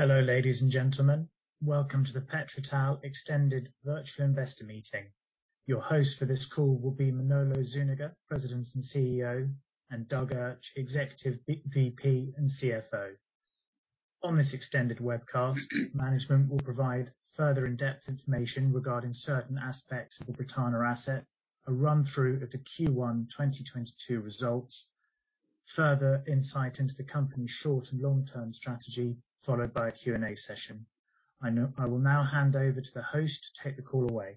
Hello, ladies and gentlemen. Welcome to the PetroTal Extended Virtual Investor Meeting. Your host for this call will be Manolo Zúñiga, President and CEO, and Doug Urch, Executive VP and CFO. On this extended webcast, management will provide further in-depth information regarding certain aspects of the Bretaña asset, a run-through of the Q1 2022 results, further insight into the company's short and long-term strategy, followed by a Q&A session. I will now hand over to the host to take the call away.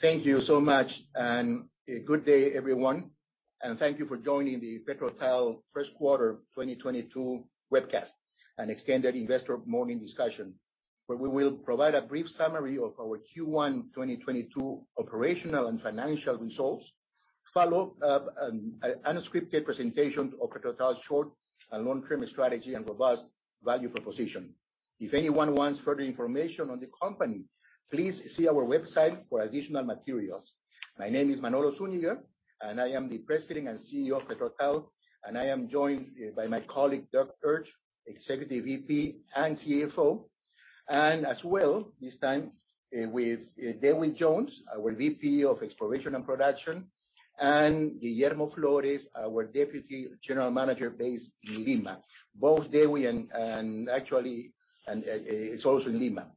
Thank you so much. Good day, everyone, and thank you for joining the PetroTal First Quarter 2022 Webcast, an extended investor morning discussion, where we will provide a brief summary of our Q1 2022 operational and financial results, followed by an unscripted presentation of PetroTal's short and long-term strategy and robust value proposition. If anyone wants further information on the company, please see our website for additional materials. My name is Manolo Zúñiga, and I am the President and CEO of PetroTal, and I am joined by my colleague, Doug Urch, Executive VP and CFO, and as well, this time, with Dewi Jones, our VP of Exploration and Production, and Guillermo Flórez, our Deputy General Manager based in Lima. Both Dewi and Guillermo are also in Lima.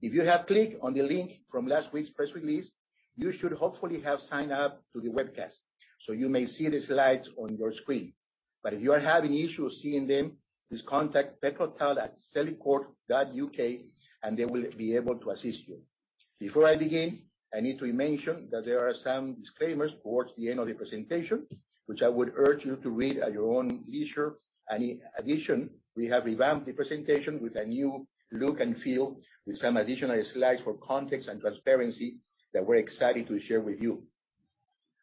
If you have clicked on the link from last week's press release, you should hopefully have signed up to the webcast, so you may see the slides on your screen. If you are having issues seeing them, please contact petrotal@celicourt.uk, and they will be able to assist you. Before I begin, I need to mention that there are some disclaimers towards the end of the presentation, which I would urge you to read at your own leisure. In addition, we have revamped the presentation with a new look and feel, with some additional slides for context and transparency that we're excited to share with you.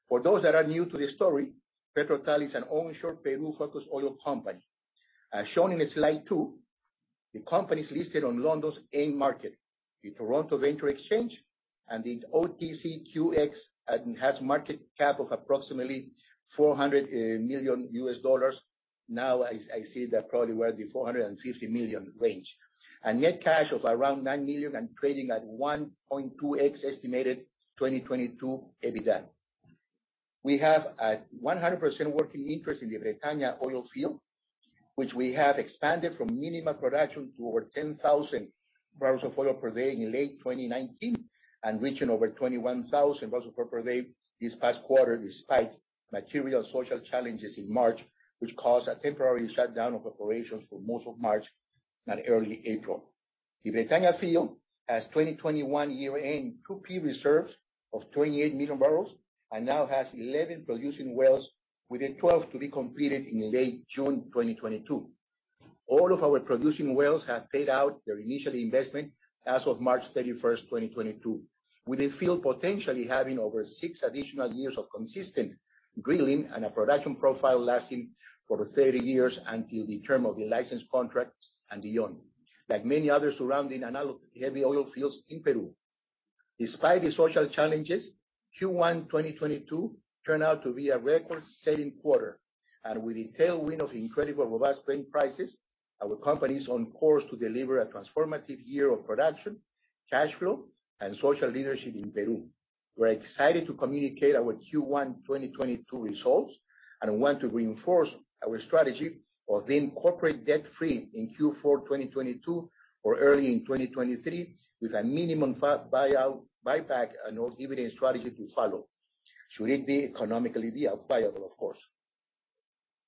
For those that are new to the story, PetroTal is an onshore Peru-focused oil company. As shown in slide two, the company is listed on London's AIM market, the TSX Venture Exchange, and the OTCQX, and has market cap of approximately $400 million. Now, I see they're probably worth the $450 million range. Net cash of around $9 million and trading at 1.2x estimated 2022 EBITDA. We have a 100% working interest in the Bretaña oil field, which we have expanded from minimal production to over 10,000 barrels of oil per day in late 2019, and reaching over 21,000 barrels of oil per day this past quarter, despite material social challenges in March, which caused a temporary shutdown of operations for most of March and early April. The Bretaña field has 2021 year-end 2P reserves of 28 million barrels and now has 11 producing wells, with the 12th to be completed in late June 2022. All of our producing wells have paid out their initial investment as of March 31, 2022, with the field potentially having over 6 additional years of consistent drilling and a production profile lasting for 30 years until the term of the license contract and beyond, like many other surrounding and other heavy oil fields in Peru. Despite the social challenges, Q1 2022 turned out to be a record-setting quarter. With the tailwind of incredible robust oil prices, our company is on course to deliver a transformative year of production, cash flow, and social leadership in Peru. We're excited to communicate our Q1 2022 results and want to reinforce our strategy of being corporate debt-free in Q4 2022 or early in 2023 with a minimum buyback and no dividend strategy to follow should it be economically viable, of course.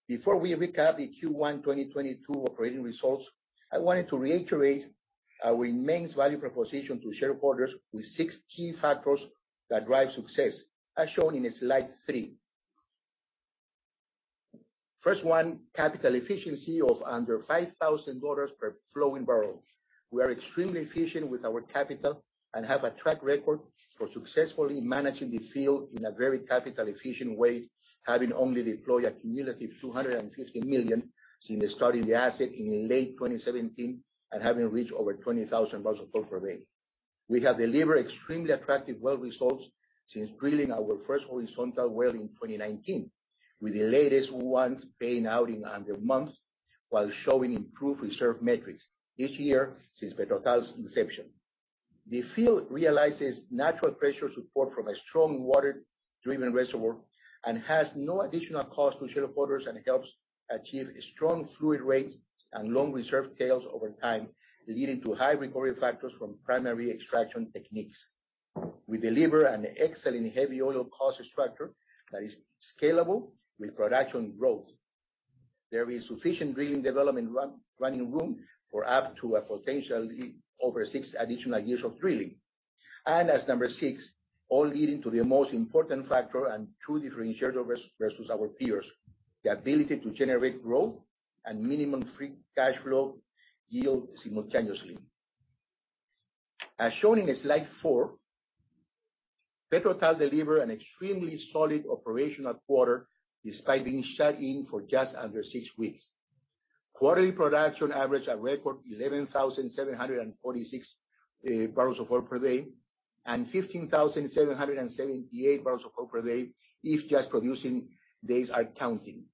Before we recap the Q1 2022 operating results, I wanted to reiterate our main value proposition to shareholders with six key factors that drive success, as shown in slide 3. First one, capital efficiency of under $5,000 per flowing barrel. We are extremely efficient with our capital and have a track record for successfully managing the field in a very capital-efficient way, having only deployed a cumulative $250 million since starting the asset in late 2017 and having reached over 20,000 barrels of oil per day. We have delivered extremely attractive well results since drilling our first horizontal well in 2019, with the latest ones paying out in under a month while showing improved reserve metrics each year since PetroTal's inception. The field realizes natural pressure support from a strong water-driven reservoir and has no additional cost to shareholders and helps achieve strong fluid rates and long reserve tails over time, leading to high recovery factors from primary extraction techniques. We deliver an excellent heavy oil cost structure that is scalable with production growth. There is sufficient drilling development running room for up to a potentially over six additional years of drilling. As number six, all leading to the most important factor and true differentiator versus our peers, the ability to generate growth and minimum free cash flow yield simultaneously. As shown in slide 4, PetroTal delivered an extremely solid operational quarter despite being shut in for just under six weeks. Quarterly production averaged a record 11,746 barrels of oil per day. 15,778 barrels of oil per day if just producing days are counting.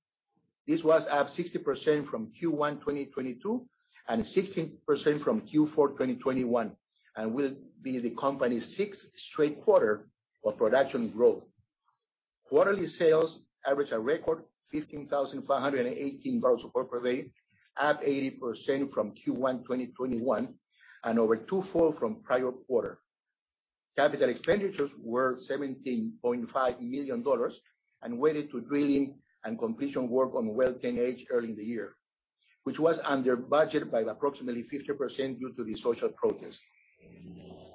This was up 60% from Q1 2022, and 16% from Q4 2021, and will be the company's sixth straight quarter of production growth. Quarterly sales averaged a record 15,518 barrels of oil per day, up 80% from Q1 2021, and over twofold from prior quarter. Capital expenditures were $17.5 million and weighted to drilling and completion work on Well 10 H early in the year, which was under budget by approximately 50% due to the social protests.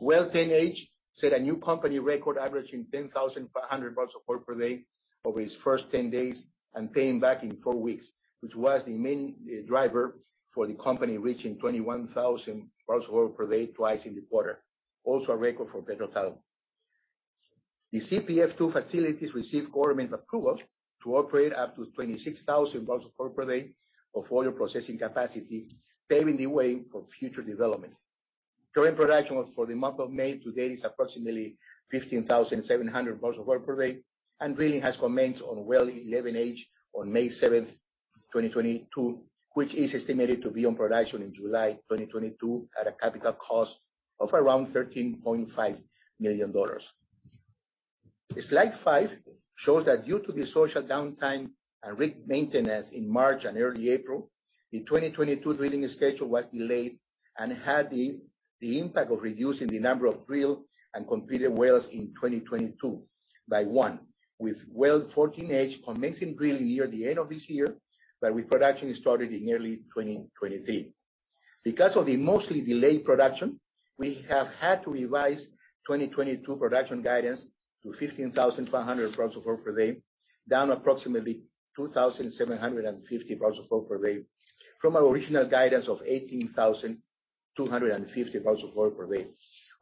Well 10H set a new company record averaging 10,500 barrels of oil per day over its first 10 days and paying back in 4 weeks, which was the main driver for the company reaching 21,000 barrels of oil per day twice in the quarter. Also a record for PetroTal. The CPF-2 facilities received government approval to operate up to 26,000 barrels of oil per day of oil processing capacity, paving the way for future development. Current production for the month of May to date is approximately 15,700 barrels of oil per day and drilling has commenced on Well 11H on May 7, 2022, which is estimated to be on production in July 2022 at a capital cost of around $13.5 million. Slide 5 shows that due to the social downtime and rig maintenance in March and early April, the 2022 drilling schedule was delayed and had the impact of reducing the number of drilled and completed wells in 2022 by one, with Well 14 H commencing drilling near the end of this year, but with production starting in early 2023. Because of the mostly delayed production, we have had to revise 2022 production guidance to 15,000 barrels of oil per day, down approximately 2,750 barrels of oil per day from our original guidance of 18,250 barrels of oil per day,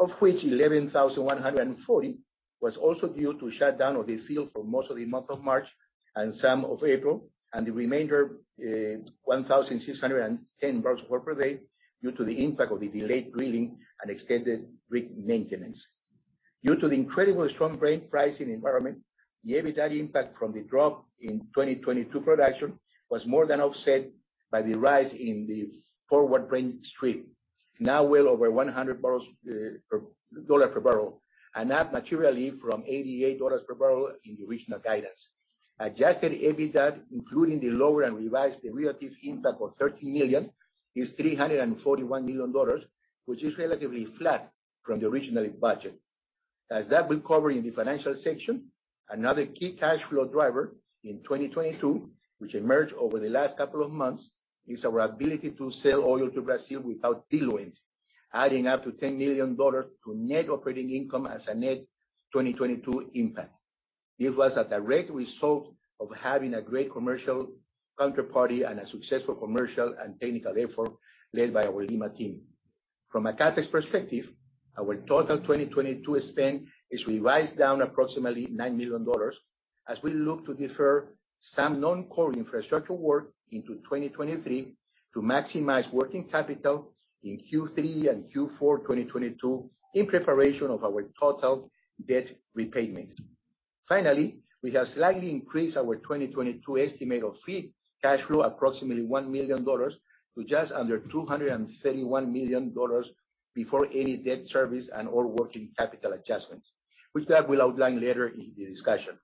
of which 11,140 was also due to shutdown of the field for most of the month of March and some of April, and the remainder, 1,610 barrels of oil per day due to the impact of the delayed drilling and extended rig maintenance. Due to the incredibly strong Brent pricing environment, the EBITDA impact from the drop in 2022 production was more than offset by the rise in the forward Brent stream, now well over 100 barrels, per.. Dollar per barrel, and up materially from $88 per barrel in the original guidance. Adjusted EBITDA, including the lower and revised derivative impact of $30 million, is $341 million, which is relatively flat from the original budget. As Doug will cover in the financial section, another key cash flow driver in 2022, which emerged over the last couple of months, is our ability to sell oil to Brazil without diluent, adding up to $10 million to net operating income as a net 2022 impact. It was a direct result of having a great commercial counterparty and a successful commercial and technical effort led by our Lima team. From a CapEx perspective, our total 2022 spend is revised down approximately $9 million as we look to defer some non-core infrastructure work into 2023 to maximize working capital in Q3 and Q4 2022 in preparation of our total debt repayment. Finally, we have slightly increased our 2022 estimate of free cash flow approximately $1 million to just under $231 million before any debt service and/or working capital adjustments, which Doug will outline later in the discussion.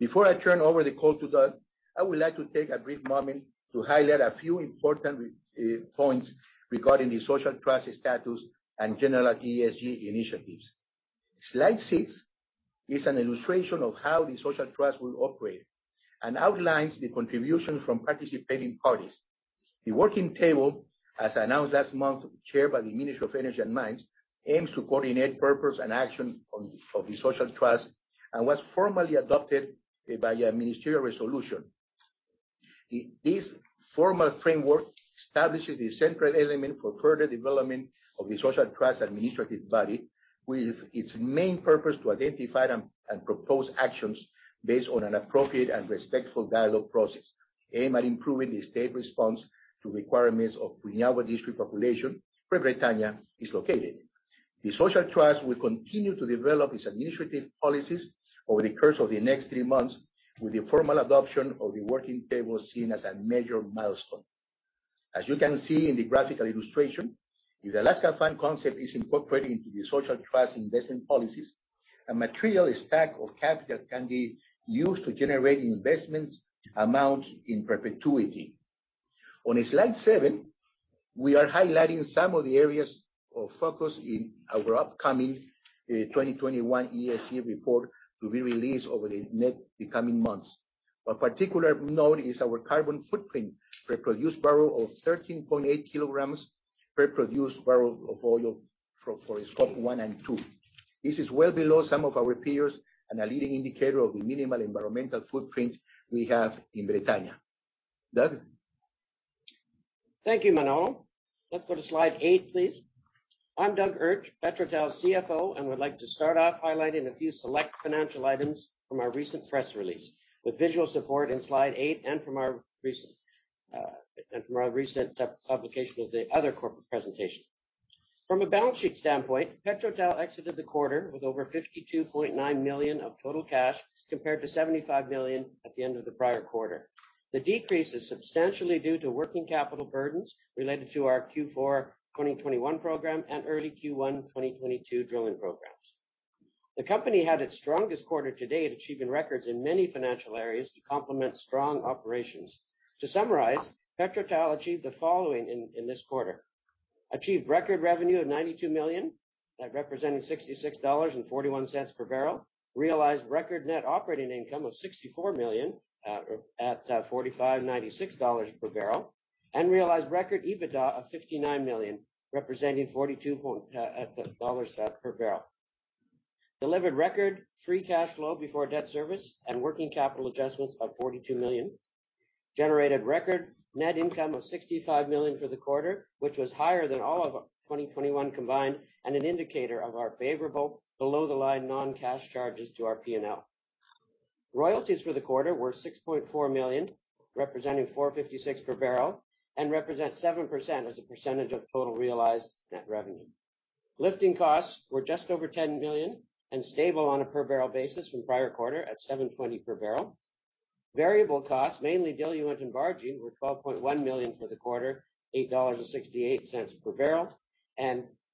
Before I turn over the call to Doug, I would like to take a brief moment to highlight a few important points regarding the social trust status and general ESG initiatives. Slide 6 is an illustration of how the social trust will operate and outlines the contribution from participating parties. The working table, as announced last month, chaired by the Ministry of Energy and Mines, aims to coordinate purpose and action of the social trust and was formally adopted by a ministerial resolution. This formal framework establishes the central element for further development of the social trust administrative body, with its main purpose to identify and propose actions based on an appropriate and respectful dialogue process aimed at improving the state response to requirements of Puinahua District population, where Bretaña is located. The social trust will continue to develop its administrative policies over the course of the next three months, with the formal adoption of the working table seen as a major milestone. As you can see in the graphical illustration, the Alaska Permanent Fund concept is incorporated into the social trust investment policies. A material stack of capital can be used to generate investment amounts in perpetuity. On slide 7, we are highlighting some of the areas of focus in our upcoming 2021 ESG report to be released over the coming months. Of particular note is our carbon footprint per produced barrel of 13.8 kilograms per produced barrel of oil for scope one and two. This is well below some of our peers and a leading indicator of the minimal environmental footprint we have in Bretaña. Doug? Thank you, Manolo. Let's go to slide 8, please. I'm Doug Urch, PetroTal's CFO, and would like to start off highlighting a few select financial items from our recent press release with visual support in slide 8 and from our recent publication of the other corporate presentation. From a balance sheet standpoint, PetroTal exited the quarter with over $52.9 million of total cash compared to $75 million at the end of the prior quarter. The decrease is substantially due to working capital burdens related to our Q4 2021 program and early Q1 2022 drilling programs. The company had its strongest quarter to date, achieving records in many financial areas to complement strong operations. To summarize, PetroTal achieved the following in this quarter. Achieved record revenue of $92 million. That represented $66.41 per barrel. Realized record net operating income of $64 million at $45.96 per barrel. Realized record EBITDA of $59 million, representing $42 per barrel. Delivered record free cash flow before debt service and working capital adjustments of $42 million. Generated record net income of $65 million for the quarter, which was higher than all of our 2021 combined, and an indicator of our favorable below-the-line non-cash charges to our P&L. Royalties for the quarter were $6.4 million, representing $4.56 per barrel, and represent 7% as a percentage of total realized net revenue. Lifting costs were just over $10 million and stable on a per barrel basis from prior quarter at $7.20 per barrel. Variable costs, mainly diluent and barging, were $12.1 million for the quarter, $8.68 per barrel.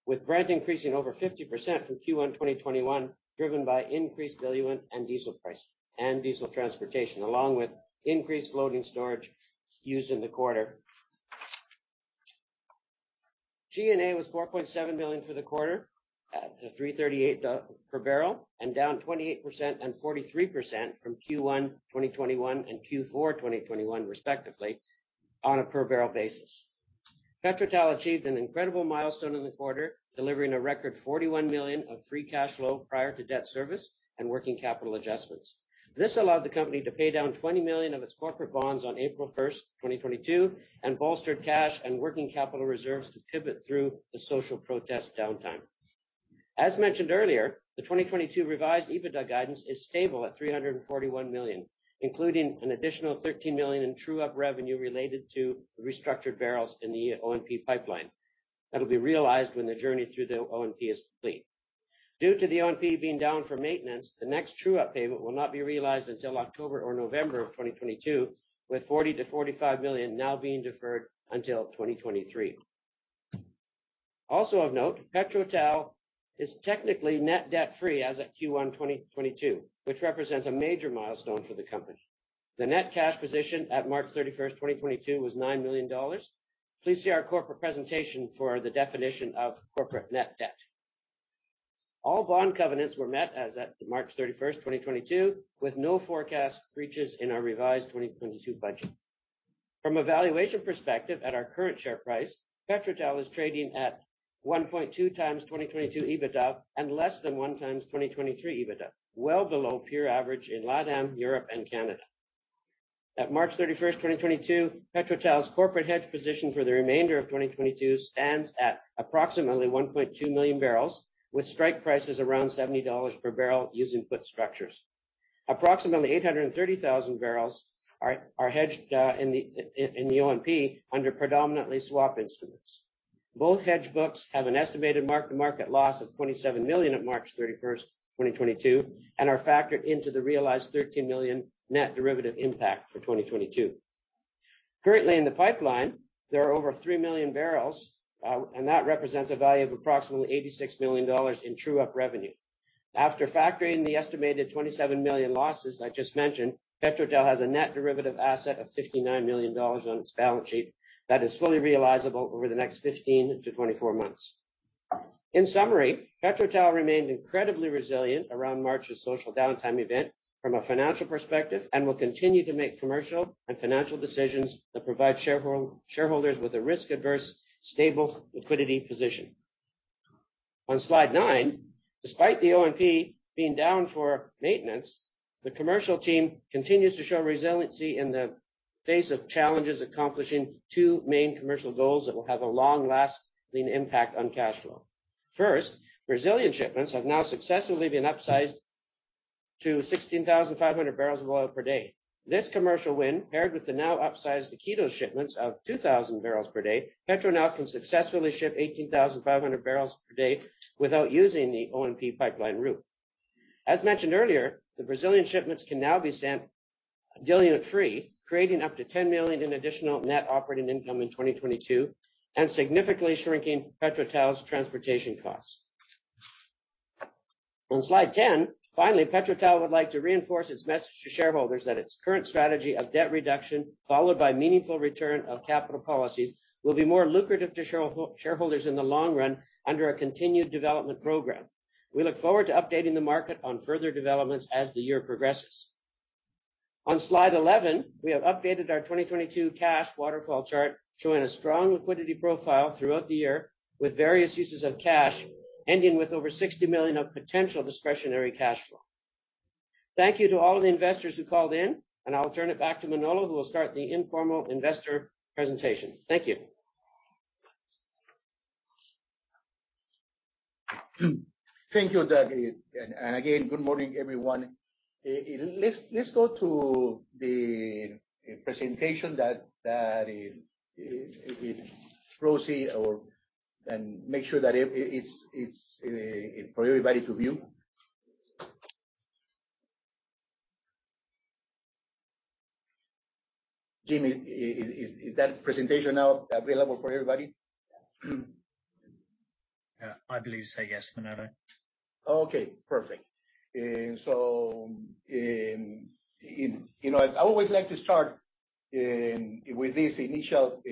With Brent increasing over 50% from Q1 2021, driven by increased diluent and diesel price and diesel transportation, along with increased floating storage used in the quarter. G&A was $4.7 million for the quarter at $3.38 per barrel, and down 28% and 43% from Q1 2021 and Q4 2021 respectively on a per barrel basis. PetroTal achieved an incredible milestone in the quarter, delivering a record $41 million of free cash flow prior to debt service and working capital adjustments. This allowed the company to pay down $20 million of its corporate bonds on April 1, 2022, and bolstered cash and working capital reserves to pivot through the social protest downtime. As mentioned earlier, the 2022 revised EBITDA guidance is stable at $341 million, including an additional $13 million in true-up revenue related to restructured barrels in the ONP pipeline that will be realized when the journey through the ONP is complete. Due to the ONP being down for maintenance, the next true-up payment will not be realized until October or November of 2022, with $40 million-$45 million now being deferred until 2023. Of note, PetroTal is technically net debt-free as at Q1 2022, which represents a major milestone for the company. The net cash position at March 31, 2022 was $9 million. Please see our corporate presentation for the definition of corporate net debt. All bond covenants were met as at March 31, 2022, with no forecast breaches in our revised 2022 budget. From a valuation perspective, at our current share price, PetroTal is trading at 1.2 times 2022 EBITDA and less than 1 times 2023 EBITDA, well below peer average in LATAM, Europe and Canada. At March 31, 2022, PetroTal's corporate hedge position for the remainder of 2022 stands at approximately 1.2 million barrels, with strike prices around $70 per barrel using put structures. Approximately 830,000 barrels are hedged in the ONP under predominantly swap instruments. Both hedge books have an estimated mark-to-market loss of $27 million at March 31, 2022, and are factored into the realized $13 million net derivative impact for 2022. Currently in the pipeline, there are over 3 million barrels, and that represents a value of approximately $86 million in true-up revenue. After factoring the estimated $27 million losses I just mentioned, PetroTal has a net derivative asset of $59 million on its balance sheet that is fully realizable over the next 15-24 months. In summary, PetroTal remained incredibly resilient around March's social downtime event from a financial perspective and will continue to make commercial and financial decisions that provide shareholders with a risk-averse, stable liquidity position. On slide 9, despite the OMP being down for maintenance, the commercial team continues to show resiliency in the face of challenges, accomplishing two main commercial goals that will have a long-lasting impact on cash flow. First, Brazilian shipments have now successfully been upsized to 16,500 barrels of oil per day. This commercial win, paired with the now upsized Iquitos shipments of 2,000 barrels per day, PetroTal can successfully ship 18,500 barrels per day without using the OMP pipeline route. As mentioned earlier, the Brazilian shipments can now be sent diluent-free, creating up to $10 million in additional net operating income in 2022 and significantly shrinking PetroTal's transportation costs. On slide 10. Finally, PetroTal would like to reinforce its message to shareholders that its current strategy of debt reduction, followed by meaningful return of capital policies, will be more lucrative to shareholders in the long run under our continued development program. We look forward to updating the market on further developments as the year progresses. On slide 11, we have updated our 2022 cash waterfall chart, showing a strong liquidity profile throughout the year, with various uses of cash ending with over $60 million of potential discretionary cash flow. Thank you to all of the investors who called in, and I'll turn it back to Manolo, who will start the informal investor presentation. Thank you. Thank you, Doug. Again, good morning, everyone. Let's go to the presentation and make sure that it's for everybody to view. Jimmy, is that presentation now available for everybody? I believe so, yes, Manolo. Okay, perfect. You know, I always like to start with this initial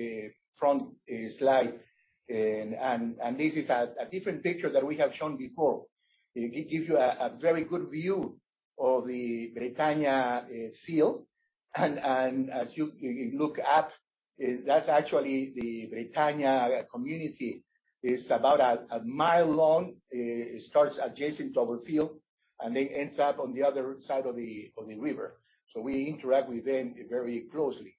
front slide. This is a different picture that we have shown before. It gives you a very good view of the Bretaña field. As you look up, that's actually the Bretaña community. It's about a mile long. It starts adjacent to our field, and then ends up on the other side of the river. We interact with them very closely.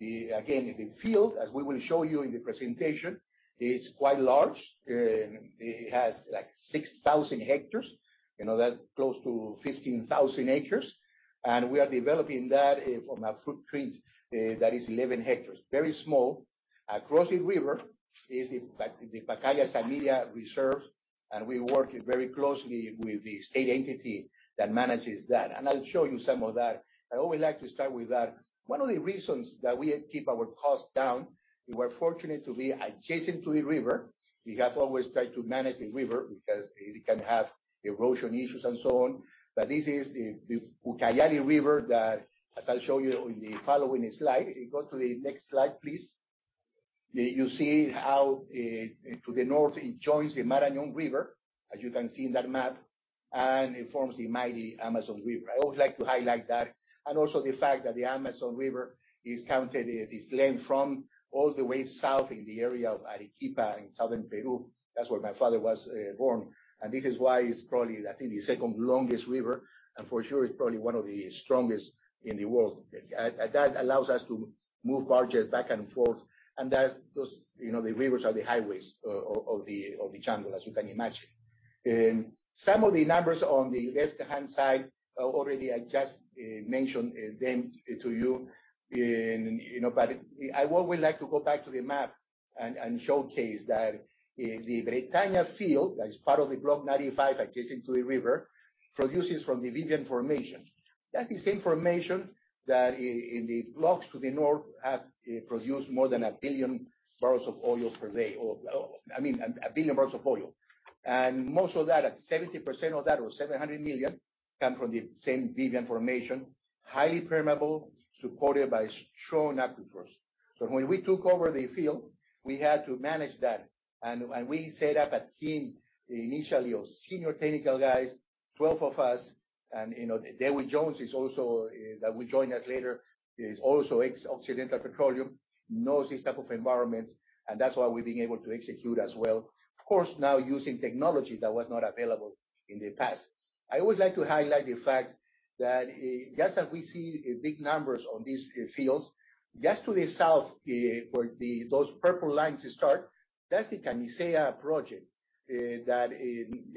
The field, as we will show you in the presentation, is quite large. It has like 6,000 hectares. You know, that's close to 15,000 acres. We are developing that from a footprint that is 11 hectares. Very small. Across the river is the Pacaya-Samiria National Reserve, and we work very closely with the state entity that manages that. I'll show you some of that. I always like to start with that. One of the reasons that we keep our costs down, we're fortunate to be adjacent to the river. We have always tried to manage the river because it can have erosion issues and so on. This is the Ucayali River that, as I'll show you in the following slide. Go to the next slide, please. You see how, to the north, it joins the Marañón River, as you can see in that map, and it forms the mighty Amazon River. I would like to highlight that, and also the fact that the Amazon River is counted, its length from all the way south in the area of Arequipa in southern Peru. That's where my father was born. This is why it's probably, I think, the second longest river, and for sure, it's probably one of the strongest in the world. That allows us to move barges back and forth, and that's those. You know, the rivers are the highways of the jungle, as you can imagine. Some of the numbers on the left-hand side already I just mentioned them to you. You know, I always like to go back to the map and showcase that the Bretaña field, that is part of the Block 95 adjacent to the river, produces from the Vivian Formation. That's the same formation that in the blocks to the north have produced more than a billion barrels of oil per day or, I mean, a billion barrels of oil. Most of that, 70% of that or 700 million, come from the same Vivian Formation, highly permeable, supported by strong aquifers. When we took over the field, we had to manage that. We set up a team initially of senior technical guys, 12 of us. You know, Dewi Jones is also that will join us later, is also ex-Occidental Petroleum, knows these type of environments, and that's why we've been able to execute as well. Of course, now using technology that was not available in the past. I always like to highlight the fact that, just as we see big numbers on these fields, just to the south, where those purple lines start, that's the Camisea project, that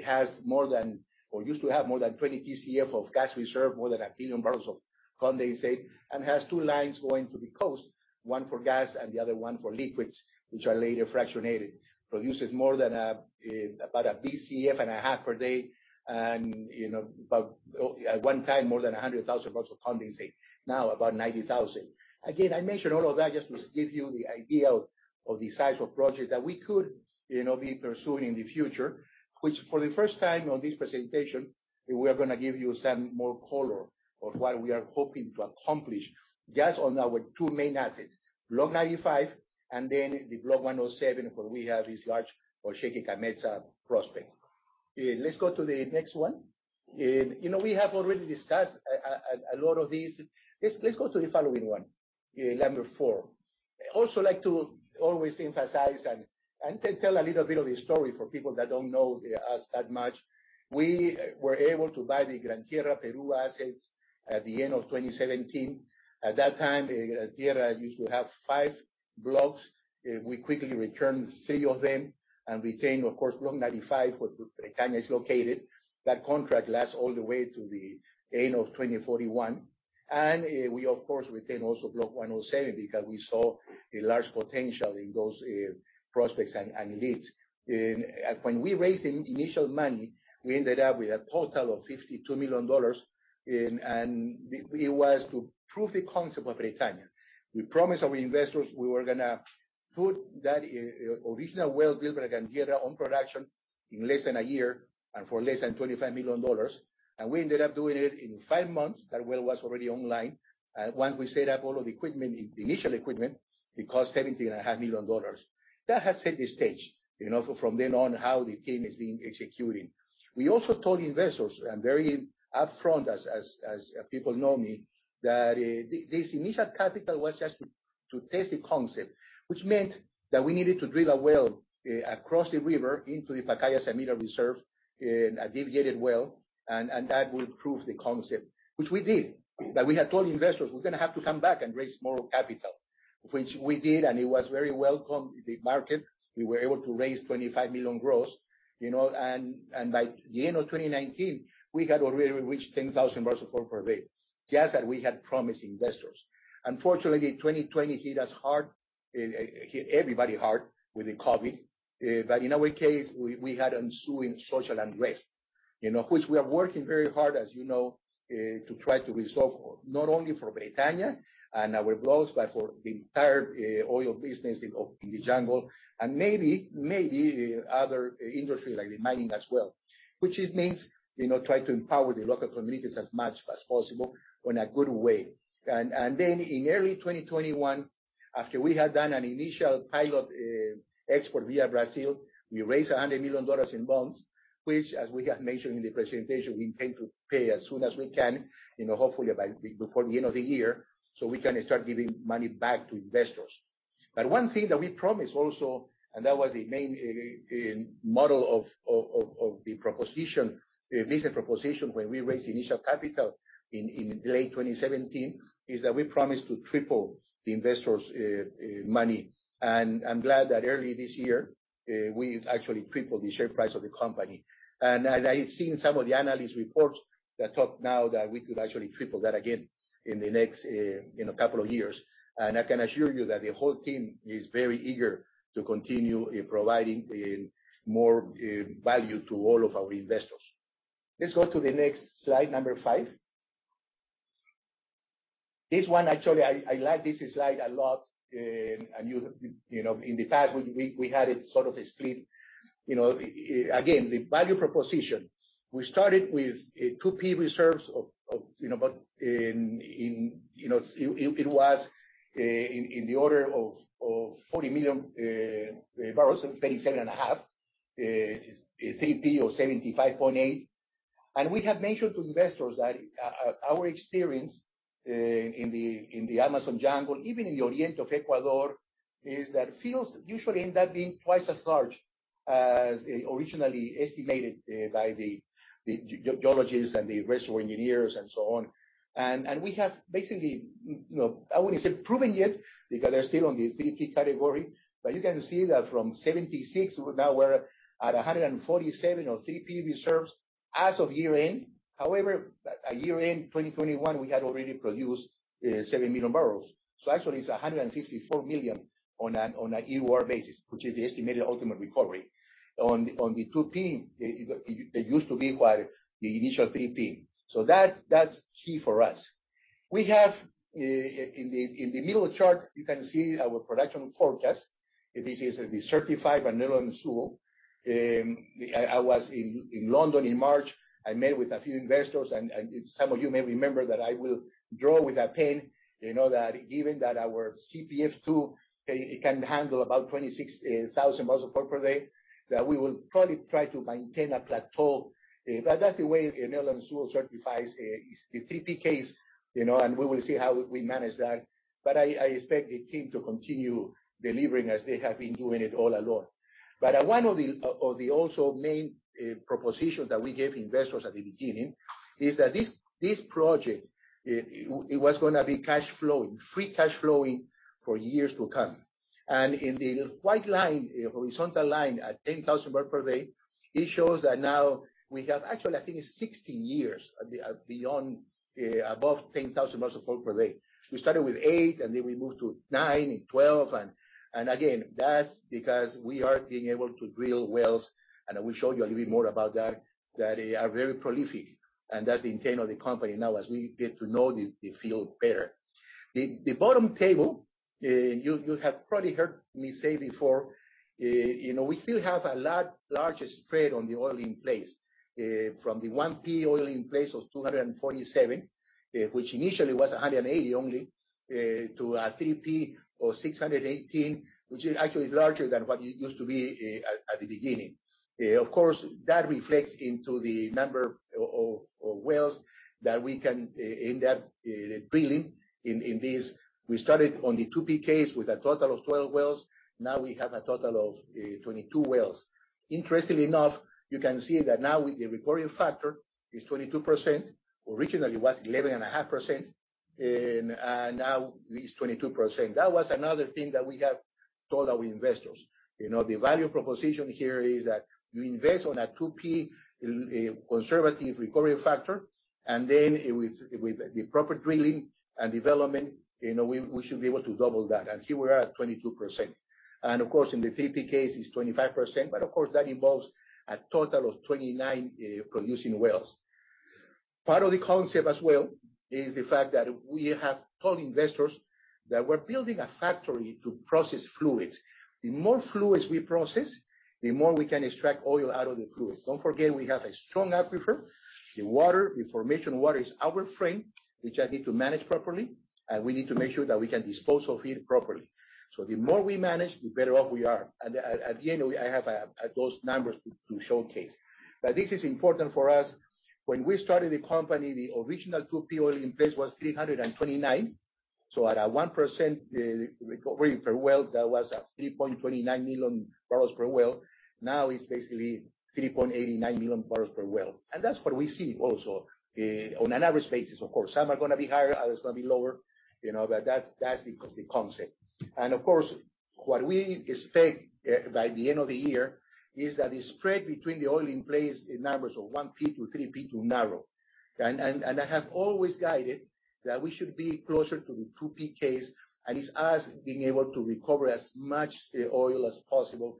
has more than or used to have more than 20 TCF of gas reserve, more than a billion barrels of condensate, and has two lines going to the coast, one for gas and the other one for liquids, which are later fractionated. Produces more than about a BCF and a half per day and, you know, about at one time, more than 100,000 barrels of condensate. Now, about 90,000. Again, I mentioned all of that just to give you the idea of the size of project that we could, you know, be pursuing in the future. Which for the first time on this presentation, we are going to give you some more color of what we are hoping to accomplish just on our two main assets, Block 95, and then the Block 107, where we have this large Osheki-Kametza prospect. Let's go to the next one. You know, we have already discussed a lot of these. Let's go to the following one, number four. I also like to always emphasize and tell a little bit of the story for people that don't know us that much. We were able to buy the Gran Tierra Peru assets at the end of 2017. At that time, Gran Tierra used to have five blocks. We quickly returned three of them and retained, of course, Block 95, where Bretaña is located. That contract lasts all the way to the end of 2041. We of course retained also Block 107 because we saw a large potential in those prospects and leads. When we raised the initial money, we ended up with a total of $52 million, and it was to prove the concept of Bretaña. We promised our investors we were going to put that original well built by Gran Tierra on production in less than a year and for less than $25 million. We ended up doing it in 5 months. That well was already online. Once we set up all of the equipment, the initial equipment, it cost $17 and a half million. That has set the stage, you know, for from then on, how the team is being executing. We also told investors, and very upfront as people know me, that this initial capital was just to test the concept, which meant that we needed to drill a well across the river into the Pacaya-Samiria reserve, a deviated well, and that would prove the concept, which we did. We had told investors we're going to have to come back and raise more capital. Which we did, and it was very welcome in the market. We were able to raise $25 million gross, you know, and by the end of 2019, we had already reached 10,000 barrels of oil per day. Just that, we had promising investors. Unfortunately, 2020 hit us hard, hit everybody hard with the COVID. In our case, we had ensuing social unrest, you know, which we are working very hard, as you know, to try to resolve not only for Bretaña and our blocks, but for the entire oil business in the jungle and maybe other industry like the mining as well. Which means, you know, try to empower the local communities as much as possible in a good way. Then in early 2021, after we had done an initial pilot export via Brazil, we raised $100 million in bonds, which as we have mentioned in the presentation, we intend to pay as soon as we can, you know, hopefully before the end of the year, so we can start giving money back to investors. One thing that we promised also, and that was the main model of the proposition, the business proposition when we raised the initial capital in late 2017, is that we promised to triple the investors' money. I'm glad that early this year, we've actually tripled the share price of the company. As I've seen some of the analyst reports that talk now that we could actually triple that again in the next, in a couple of years. I can assure you that the whole team is very eager to continue providing more value to all of our investors. Let's go to the next slide, number 5. This one actually, I like this slide a lot. You know, in the past, we had it sort of a split. You know, again, the value proposition. We started with 2P reserves of, you know, about 40 million barrels, 37.5. 3P or 75.8. We have mentioned to investors that our experience in the Amazon jungle, even in the Orient of Ecuador, is that fields usually end up being twice as large as originally estimated by the geologists and the reservoir engineers and so on. We have basically, you know, I wouldn't say proven yet because they're still on the 3P category, but you can see that from 76, now we're at 147 3P reserves as of year-end. However, year-end 2021, we had already produced 7 million barrels. So actually it's 154 million on a EUR basis, which is the estimated ultimate recovery. On the 2P, it used to be quite the initial 3P. So that's key for us. We have in the middle chart, you can see our production forecast. This is certified by Netherland, Sewell & Associates. I was in London in March. I met with a few investors, some of you may remember that I will draw with a pen. You know, that given that our CPF-2 can handle about 26,000 barrels of oil per day, that we will probably try to maintain a plateau. That's the way Netherland, Sewell & Associates certifies the 3P case, you know, and we will see how we manage that. I expect the team to continue delivering as they have been doing it all along. One of the also main propositions that we gave investors at the beginning is that this project it was going to be cash flowing, free cash flowing for years to come. In the white line, horizontal line at 10,000 barrels per day, it shows that now we have actually, I think 60 years beyond above 10,000 barrels of oil per day. We started with 8, and then we moved to 9 and 12, and again, that's because we are being able to drill wells, and I will show you a little bit more about that that are very prolific. That's the intent of the company now as we get to know the field better. The bottom table, you have probably heard me say before, you know, we still have a larger spread on the oil in place, from the 1P oil in place of 247, which initially was 180 only, to a 3P or 618, which is actually larger than what it used to be, at the beginning. Of course, that reflects into the number of wells that we can end up drilling in this. We started on the 2P case with a total of 12 wells. Now we have a total of 22 wells. Interestingly enough, you can see that now with the recovery factor is 22%. Originally, it was 11.5%, and now it is 22%. That was another thing that we have told our investors. You know, the value proposition here is that you invest on a 2P conservative recovery factor, and then with the proper drilling and development, you know, we should be able to double that. And here we're at 22%. Of course, in the 3P case, it's 25%, but of course, that involves a total of 29 producing wells. Part of the concept as well is the fact that we have told investors that we're building a factory to process fluids. The more fluids we process, the more we can extract oil out of the fluids. Don't forget we have a strong aquifer. The water, the formation water is our friend, which I need to manage properly, and we need to make sure that we can dispose of it properly. The more we manage, the better off we are. At the end, I have those numbers to showcase. This is important for us. When we started the company, the original 2P oil in place was 329. At our 1% recovery per well, that was at 3.29 million barrels per well. Now it's basically 3.89 million barrels per well. That's what we see also on an average basis, of course. Some are going to be higher, others going to be lower, you know, but that's the concept. What we expect by the end of the year is that the spread between the oil in place, the numbers of 1P to 3P to narrow. I have always guided that we should be closer to the 2P case, and it's us being able to recover as much the oil as possible,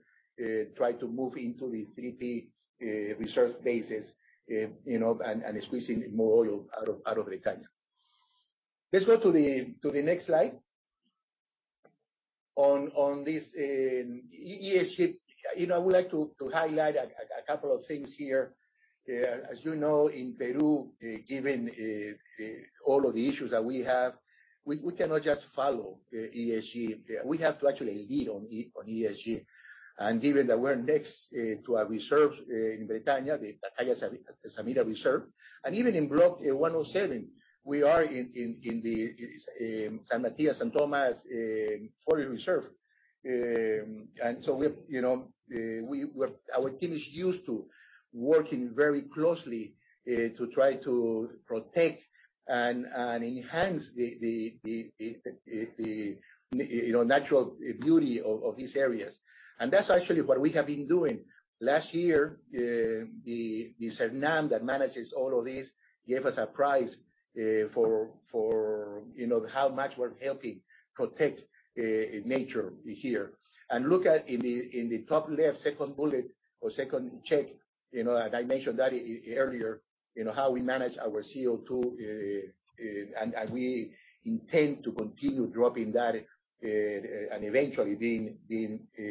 try to move into the 3P reserve bases, you know, and squeezing more oil out of Bretaña. Let's go to the next slide. On this ESG, you know, I would like to highlight a couple of things here. As you know, in Peru, given all of the issues that we have, we cannot just follow ESG. We have to actually lead on ESG. Given that we're next to a reserve in Bretaña, the Pacaya-Samiria National Reserve, and even in Block 107, we are in the San Matías-San Carlos Protection Forest. Our team is used to working very closely to try to protect and enhance the natural beauty of these areas. That's actually what we have been doing. Last year, the SERNANP that manages all of these gave us a prize for how much we're helping protect nature here. Look at, in the top left second bullet or second check, you know, and I mentioned that earlier, you know, how we manage our CO2, and we intend to continue dropping that, and eventually being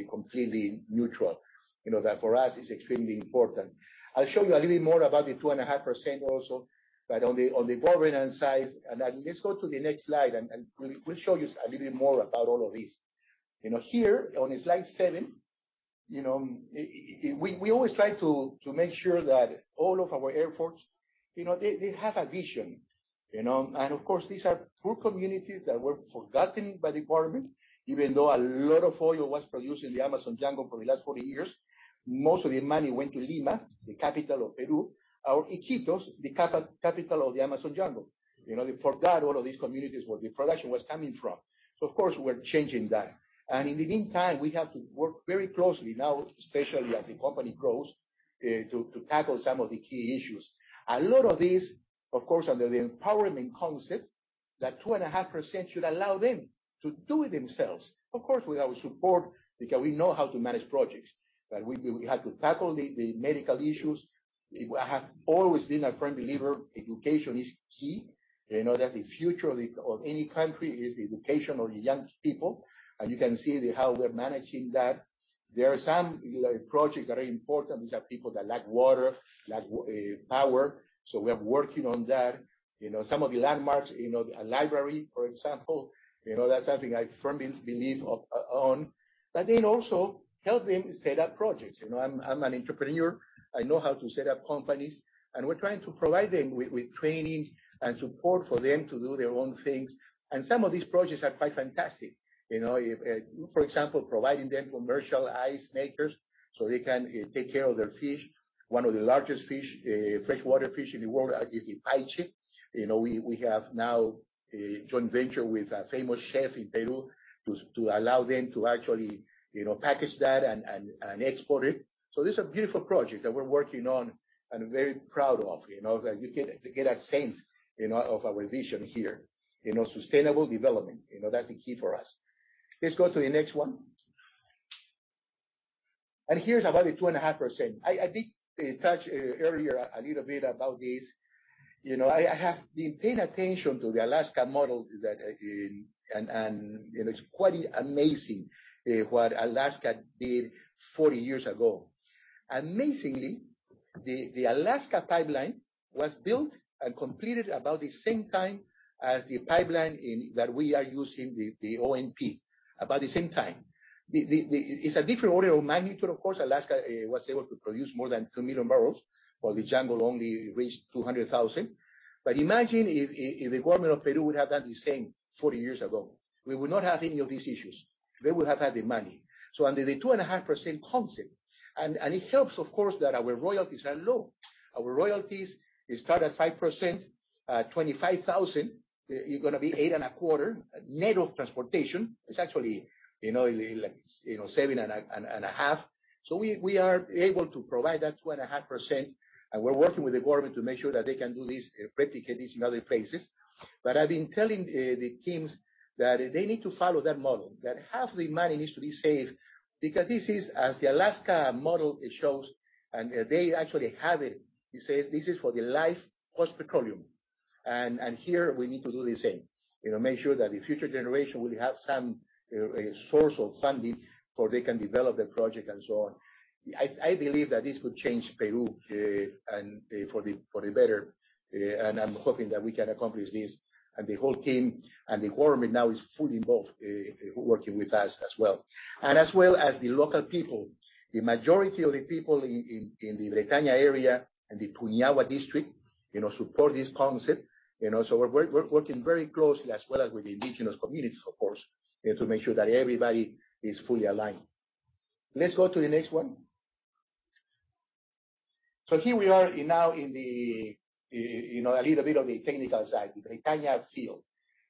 completely neutral. You know, that for us is extremely important. I'll show you a little bit more about the 2.5% also, but on the government incentives. Let's go to the next slide, and we'll show you a little bit more about all of these. You know, here on slide seven, you know, we always try to make sure that all of our areas, you know, they have a vision, you know. Of course, these are poor communities that were forgotten by the government. Even though a lot of oil was produced in the Amazon jungle for the last 40 years, most of the money went to Lima, the capital of Peru, or Iquitos, the capital of the Amazon jungle. You know, they forgot all of these communities where the production was coming from. Of course, we're changing that. In the meantime, we have to work very closely now, especially as the company grows, to tackle some of the key issues. A lot of these, of course, are the empowerment concept that 2.5% should allow them to do it themselves. Of course, with our support, because we know how to manage projects. We had to tackle the medical issues. I have always been a firm believer education is key. You know that the future of any country is the education of the young people, and you can see how we're managing that. There are some, you know, projects that are important. These are people that lack water, lack power, so we are working on that. You know, some of the landmarks, you know, a library, for example, you know, that's something I firmly believe in. Also help them set up projects. You know, I'm an entrepreneur. I know how to set up companies, and we're trying to provide them with training and support for them to do their own things. Some of these projects are quite fantastic. You know, for example, providing them commercial ice makers, so they can take care of their fish. One of the largest fish, freshwater fish in the world is the paiche. You know, we have now a joint venture with a famous chef in Peru to allow them to actually, you know, package that and export it. So these are beautiful projects that we're working on and very proud of, you know. That you get, to get a sense, you know, of our vision here. You know, sustainable development, you know, that's the key for us. Let's go to the next one. Here's about the 2.5%. I did touch earlier a little bit about this. You know, I have been paying attention to the Alaska model that and it's quite amazing what Alaska did 40 years ago. Amazingly, the Alaska pipeline was built and completed about the same time as the pipeline that we are using, the OMP, about the same time. It's a different order of magnitude, of course. Alaska was able to produce more than 2 million barrels, while the jungle only reached 200,000. Imagine if the government of Peru would have done the same 40 years ago. We would not have any of these issues. They would have had the money. Under the 2.5% concept, and it helps, of course, that our royalties are low. Our royalties, they start at 5%. At 25,000, you're going to be 8.25%. Net of transportation, it's actually, you know, like, you know, 7.5%. We are able to provide that 2.5%, and we're working with the government to make sure that they can do this, replicate this in other places. I've been telling the teams that they need to follow that model, that half the money needs to be saved because this is, as the Alaska model shows, and they actually have it. It says this is for the life post-petroleum. Here we need to do the same. You know, make sure that the future generation will have some source of funding so they can develop their project and so on. I believe that this could change Peru, and for the better, and I'm hoping that we can accomplish this. The whole team and the government now is fully involved, working with us as well. As well as the local people. The majority of the people in the Bretaña area and the Puinahua District, you know, support this concept, you know. We're working very closely as well with the indigenous communities, of course, to make sure that everybody is fully aligned. Let's go to the next one. Here we are now in, you know, a little bit of the technical side, the Bretaña field.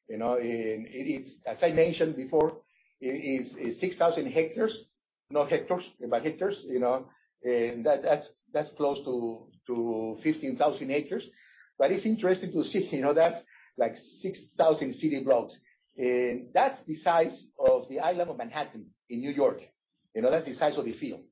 You know, it is. As I mentioned before, it is 6,000 hectares. Not hectares, but hectares, you know, that's close to 15,000 acres. But it's interesting to see, you know, that's like 6,000 city blocks. That's the size of the island of Manhattan in New York. You know, that's the size of the field,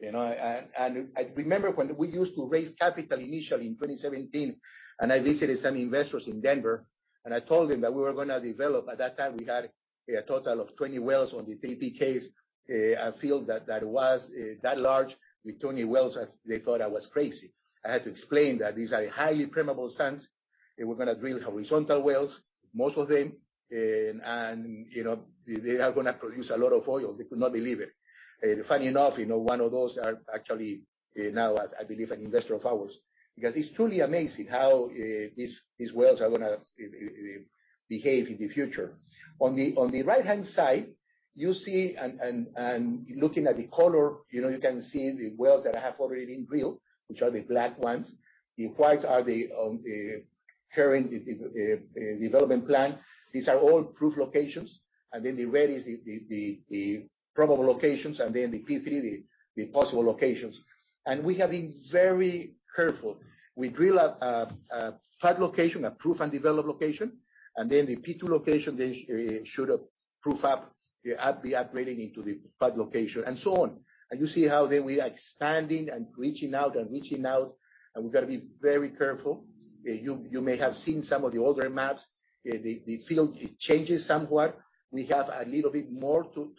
you know. I remember when we used to raise capital initially in 2017, and I visited some investors in Denver, and I told them that we were going to develop. At that time, we had a total of 20 wells on the 3P case, a field that was that large with 20 wells. They thought I was crazy. I had to explain that these are highly permeable sands, and we're going to drill horizontal wells, most of them, and, you know, they are going to produce a lot of oil. They could not believe it. Funny enough, you know, one of those are actually now, I believe, an investor of ours. Because it's truly amazing how these wells are going to behave in the future. On the right-hand side, you see, looking at the color, you know, you can see the wells that I have already drilled, which are the black ones. The whites are the current development plan. These are all proved locations. Then the red is the probable locations, and then the 3P, the possible locations. We have been very careful. We drill a pad location, a proved and developed location, and then the 2P location, they should prove up, be upgrading into the pad location, and so on. You see how then we are expanding and reaching out, and we've got to be very careful. You may have seen some of the older maps. The field, it changes somewhat. We have a little bit more to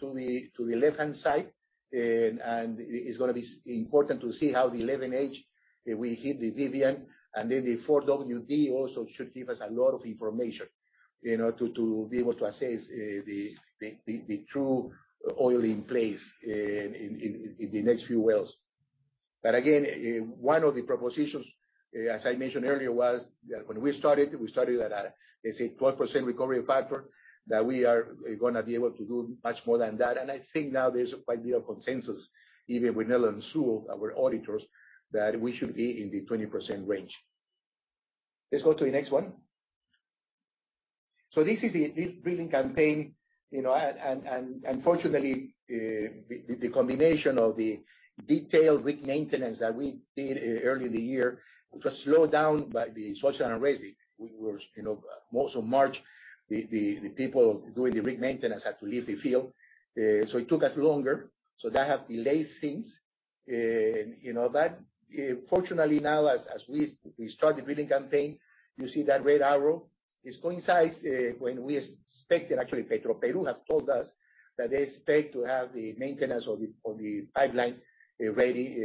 the left-hand side, and it's going to be important to see how the 11H, we hit the Vivian, and then the 4D also should give us a lot of information, you know, to be able to assess the true oil in place in the next few wells. One of the propositions, as I mentioned earlier, was that when we started, we started at a, let's say, 12% recovery factor, that we are going to be able to do much more than that. I think now there's quite a bit of consensus, even with Netherland, Sewell & Associates, our auditors, that we should be in the 20% range. Let's go to the next one. This is the drilling campaign, you know, and unfortunately, the combination of the detailed rig maintenance that we did early in the year was slowed down by the social unrest. You know, most of March, the people doing the rig maintenance had to leave the field, so it took us longer. That have delayed things, you know. That fortunately now, as we start the drilling campaign, you see that red arrow. It coincides, when we expect. Actually, Petroperú have told us that they expect to have the maintenance of the pipeline ready,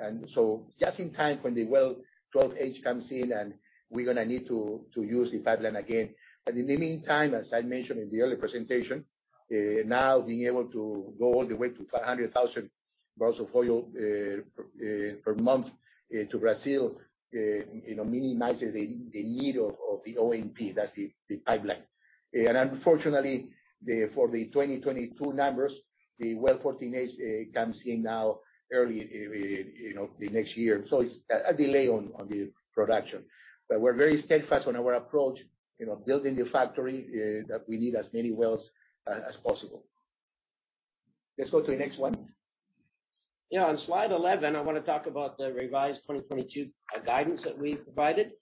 and so just in time when the well 12 H comes in, and we're going to need to use the pipeline again. In the meantime, as I mentioned in the earlier presentation, now being able to go all the way to 100,000 barrels of oil per month to Brazil, you know, minimizes the need of the ONP, that's the pipeline. Unfortunately, for the 2022 numbers, the well 14H comes online early, you know, the next year. It's a delay on the production. We're very steadfast on our approach, you know, building the factory that we need as many wells as possible. Let's go to the next one. Yeah. On slide eleven, I want to talk about the revised 2022 guidance that we provided.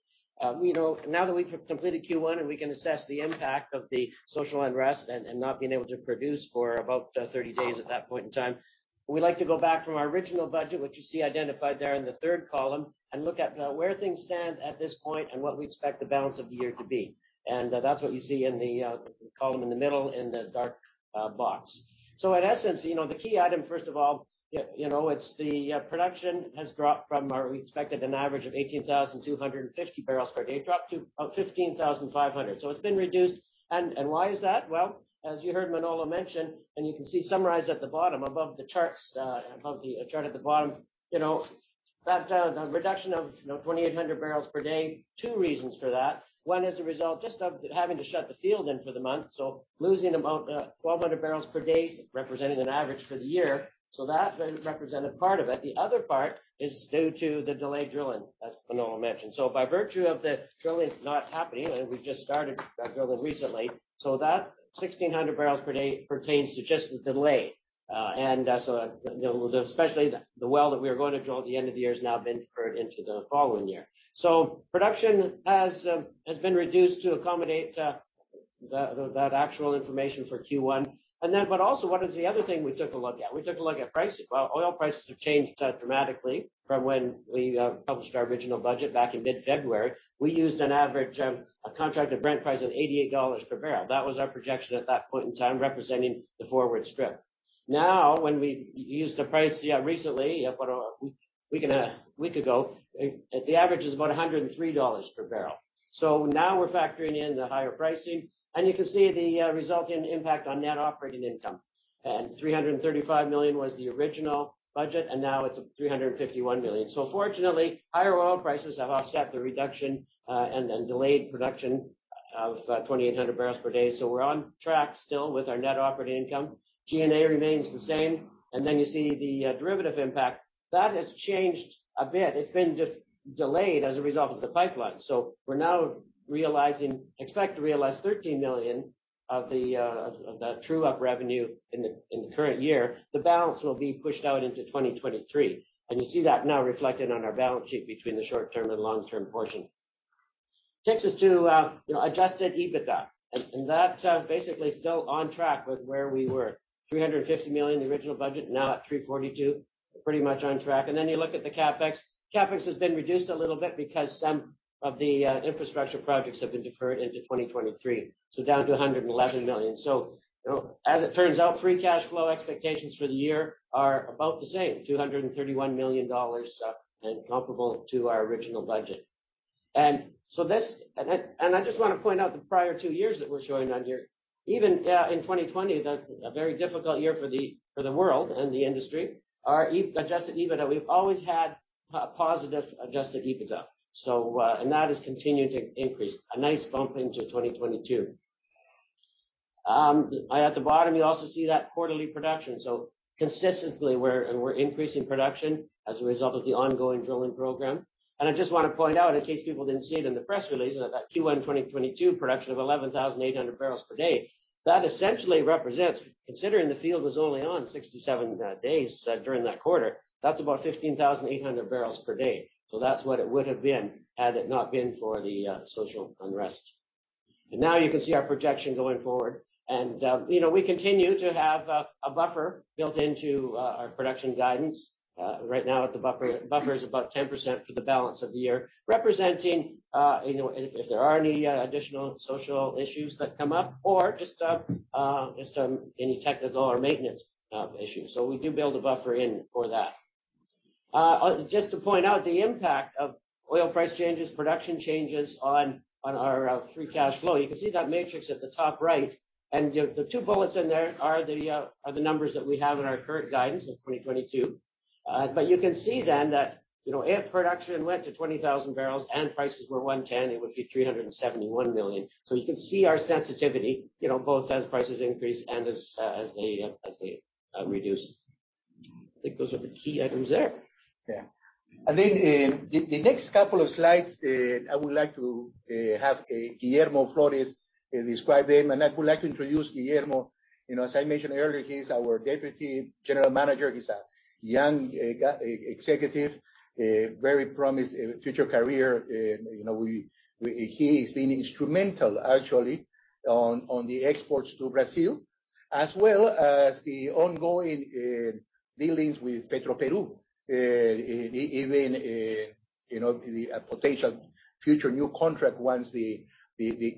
You know, now that we've completed Q1, and we can assess the impact of the social unrest and not being able to produce for about 30 days at that point in time, we like to go back from our original budget, which you see identified there in the third column, and look at where things stand at this point and what we expect the balance of the year to be. That's what you see in the column in the middle in the dark box. In essence, you know, the key item, first of all, you know, it's the production has dropped from our... We expected an average of 18,250 barrels per day, dropped to about 15,500. It's been reduced. Why is that? Well, as you heard Manolo mention, and you can see summarized at the bottom above the charts, above the chart at the bottom, you know, that reduction of, you know, 2,800 barrels per day, two reasons for that. One is a result just of having to shut the field in for the month, so losing about 1,200 barrels per day, representing an average for the year. That represented part of it. The other part is due to the delayed drilling, as Manolo mentioned. By virtue of the drilling's not happening, and we've just started that drilling recently, that 1,600 barrels per day pertains to just the delay. You know, especially the well that we were going to drill at the end of the year has now been deferred into the following year. Production has been reduced to accommodate that actual information for Q1. What is the other thing we took a look at? We took a look at pricing. Well, oil prices have changed dramatically from when we published our original budget back in mid-February. We used an average of a contracted Brent price of $88 per barrel. That was our projection at that point in time, representing the forward strip. Now, when we used the price recently, about a week ago, the average is about $103 per barrel. Now we're factoring in the higher pricing, and you can see the resulting impact on net operating income. Three hundred and thirty-five million was the original budget, and now it's three hundred and fifty-one million. Fortunately, higher prices have offset the reduction and then delayed production of 2,800 barrels per day. We're on track still with our net operating income. G&A remains the same. Then you see the derivative impact. That has changed a bit. It's been just delayed as a result of the pipeline. We're now expect to realize $13 million of that true-up revenue in the current year. The balance will be pushed out into 2023, and you see that now reflected on our balance sheet between the short-term and long-term portion. Takes us to, you know, adjusted EBITDA, and that's basically still on track with where we were, $350 million the original budget, now at $342 million. Pretty much on track. Then you look at the CapEx. CapEx has been reduced a little bit because some of the infrastructure projects have been deferred into 2023, so down to $111 million. You know, as it turns out, free cash flow expectations for the year are about the same, $231 million, and comparable to our original budget. I just want to point out the prior two years that we're showing on here. Even in 2020, a very difficult year for the world and the industry, our adjusted EBITDA, we've always had positive adjusted EBITDA. That has continued to increase. A nice bump into 2022. At the bottom, you also see that quarterly production. Consistently we're increasing production as a result of the ongoing drilling program. I just want to point out, in case people didn't see it in the press release, that Q1 2022 production of 11,800 barrels per day essentially represents, considering the field was only on 67 days during that quarter, that's about 15,800 barrels per day. That's what it would have been had it not been for the social unrest. Now you can see our projection going forward. You know, we continue to have a buffer built into our production guidance. Right now the buffer is about 10% for the balance of the year. Representing you know, if there are any additional social issues that come up or just any technical or maintenance issues. We do build a buffer in for that. Just to point out the impact of oil price changes, production changes on our free cash flow. You can see that matrix at the top right. The two bullets in there are the numbers that we have in our current guidance in 2022. You can see then that, you know, if production went to 20,000 barrels and prices were $110, it would be $371 million. You can see our sensitivity, you know, both as prices increase and as they reduce. I think those are the key items there. The next couple of slides, I would like to have Guillermo Flórez describe them. I would like to introduce Guillermo. You know, as I mentioned earlier, he's our Deputy General Manager. He's a young executive, a very promising future career. You know, he's been instrumental actually on the exports to Brazil, as well as the ongoing dealings with Petroperú, even you know, the potential future new contract once the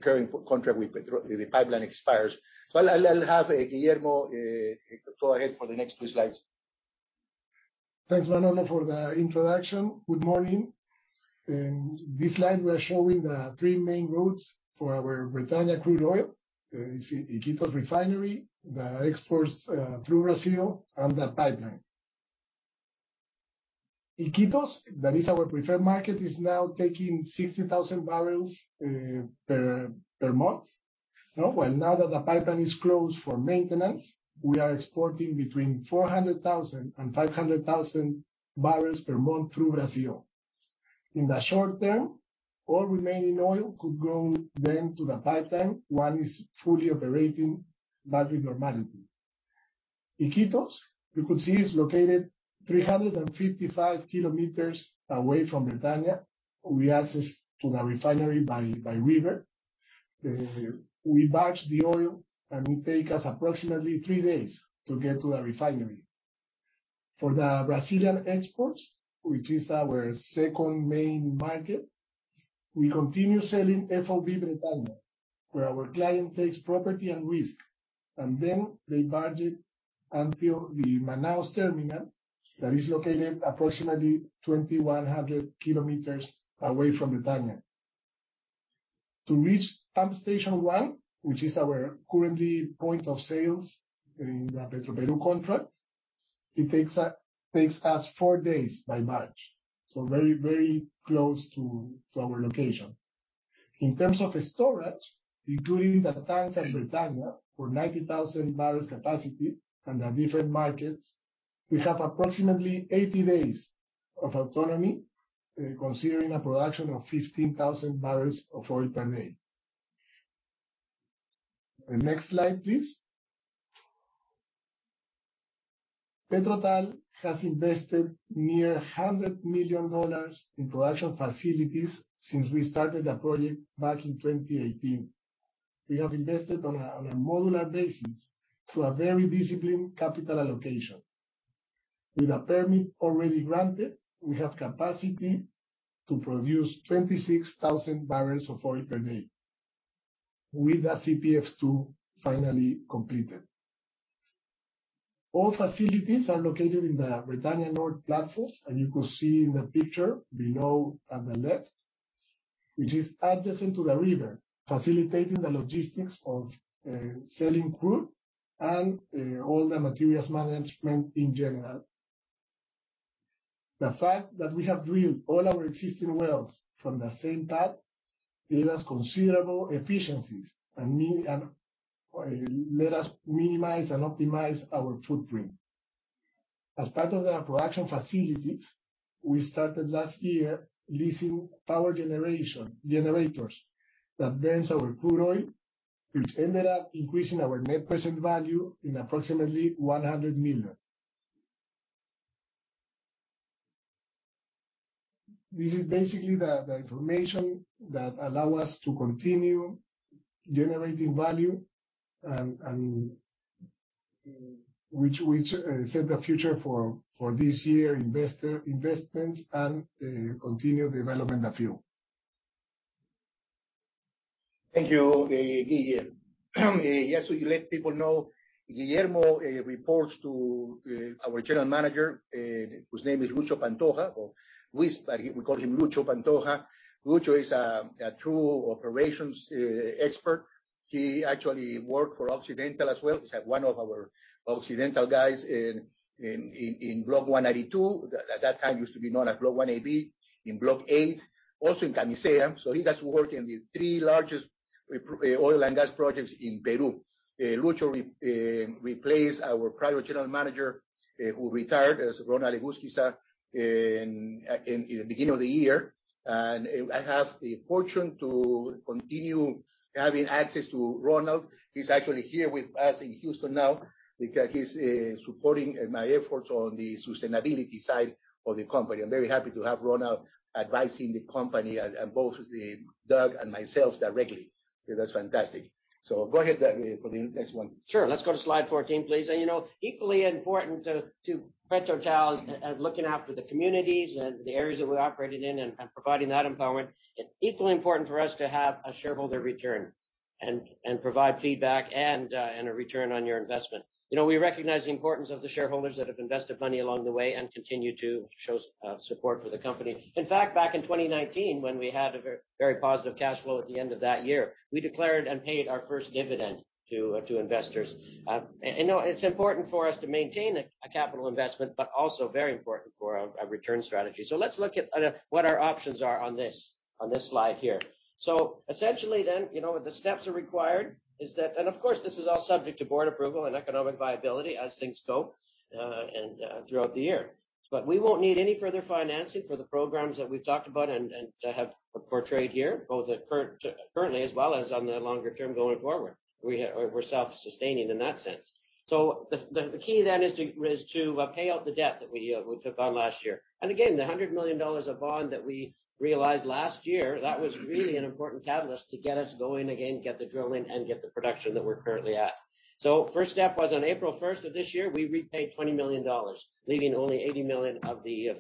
current contract with the pipeline expires. I'll have Guillermo go ahead for the next two slides. Thanks, Manolo, for the introduction. Good morning. In this slide, we are showing the three main routes for our Bretaña crude oil. You see Iquitos Refinery, the exports through Brazil, and the pipeline. Iquitos, that is our preferred market, is now taking 60,000 barrels per month. Well, now that the pipeline is closed for maintenance, we are exporting between 400,000 and 500,000 barrels per month through Brazil. In the short term, all remaining oil could go then to the pipeline, once it is fully operating back to normality. Iquitos, you could see is located 355 kilometers away from Bretaña. We access to the refinery by river. We barge the oil, and it take us approximately three days to get to the refinery. For the Brazilian exports, which is our second main market, we continue selling FOB Bretaña, where our client takes property and risk, and then they barge it until the Manaus terminal that is located approximately 2,100 kilometers away from Bretaña. To reach Pump Station One, which is our current point of sales in the Petroperú contract, it takes us four days by barge, so very close to our location. In terms of storage, including the tanks at Bretaña for 90,000 barrels capacity and the different markets, we have approximately 80 days of autonomy, considering a production of 15,000 barrels of oil per day. The next slide, please. PetroTal has invested nearly $100 million in production facilities since we started the project back in 2018. We have invested on a modular basis through a very disciplined capital allocation. With a permit already granted, we have capacity to produce 26,000 barrels of oil per day with the CPF-2 finally completed. All facilities are located in the Bretaña North platform, and you can see in the picture below on the left, which is adjacent to the river, facilitating the logistics of selling crude and all the materials management in general. The fact that we have drilled all our existing wells from the same pad gave us considerable efficiencies and let us minimize and optimize our footprint. As part of the production facilities, we started last year leasing power generators that burns our crude oil, which ended up increasing our net present value in approximately $100 million. This is basically the information that allow us to continue generating value. Which set the future for this year investments and continued development of fuel. Thank you, Guillermo. Yes, we let people know Guillermo reports to our general manager, whose name is Luis Pantoja, or Luis, but we call him Luis Pantoja. Lucho is a true operations expert. He actually worked for Occidental as well. He's one of our Occidental guys in Block 192. At that time, it used to be known as Block 1AB in Block 8, also in Camisea. He does work in the three largest oil and gas projects in Peru. Lucho replaced our prior general manager, who retired as Ronald Egúsquiza in the beginning of the year. I have the fortune to continue having access to Ronald. He's actually here with us in Houston now because he's supporting my efforts on the sustainability side of the company. I'm very happy to have Ronald advising the company and both Doug and myself directly. That's fantastic. Go ahead, Doug, for the next one. Sure. Let's go to slide 14, please. You know, equally important to PetroTal is looking after the communities and the areas that we're operating in and providing that empowerment. It's equally important for us to have a shareholder return and provide feedback and a return on your investment. You know, we recognize the importance of the shareholders that have invested money along the way and continue to show support for the company. In fact, back in 2019 when we had a very positive cash flow at the end of that year, we declared and paid our first dividend to investors. You know, it's important for us to maintain a capital investment, but also very important for a return strategy. Let's look at what our options are on this slide here. Essentially, you know, the steps are required is that. Of course, this is all subject to board approval and economic viability as things go, and throughout the year. We won't need any further financing for the programs that we've talked about and have portrayed here, both currently as well as on the longer term going forward. We're self-sustaining in that sense. The key then is to pay off the debt that we took on last year. Again, the $100 million of bond that we realized last year, that was really an important catalyst to get us going again, get the drilling, and get the production that we're currently at. First step was on April 1 of this year, we repaid $20 million, leaving only $80 million of the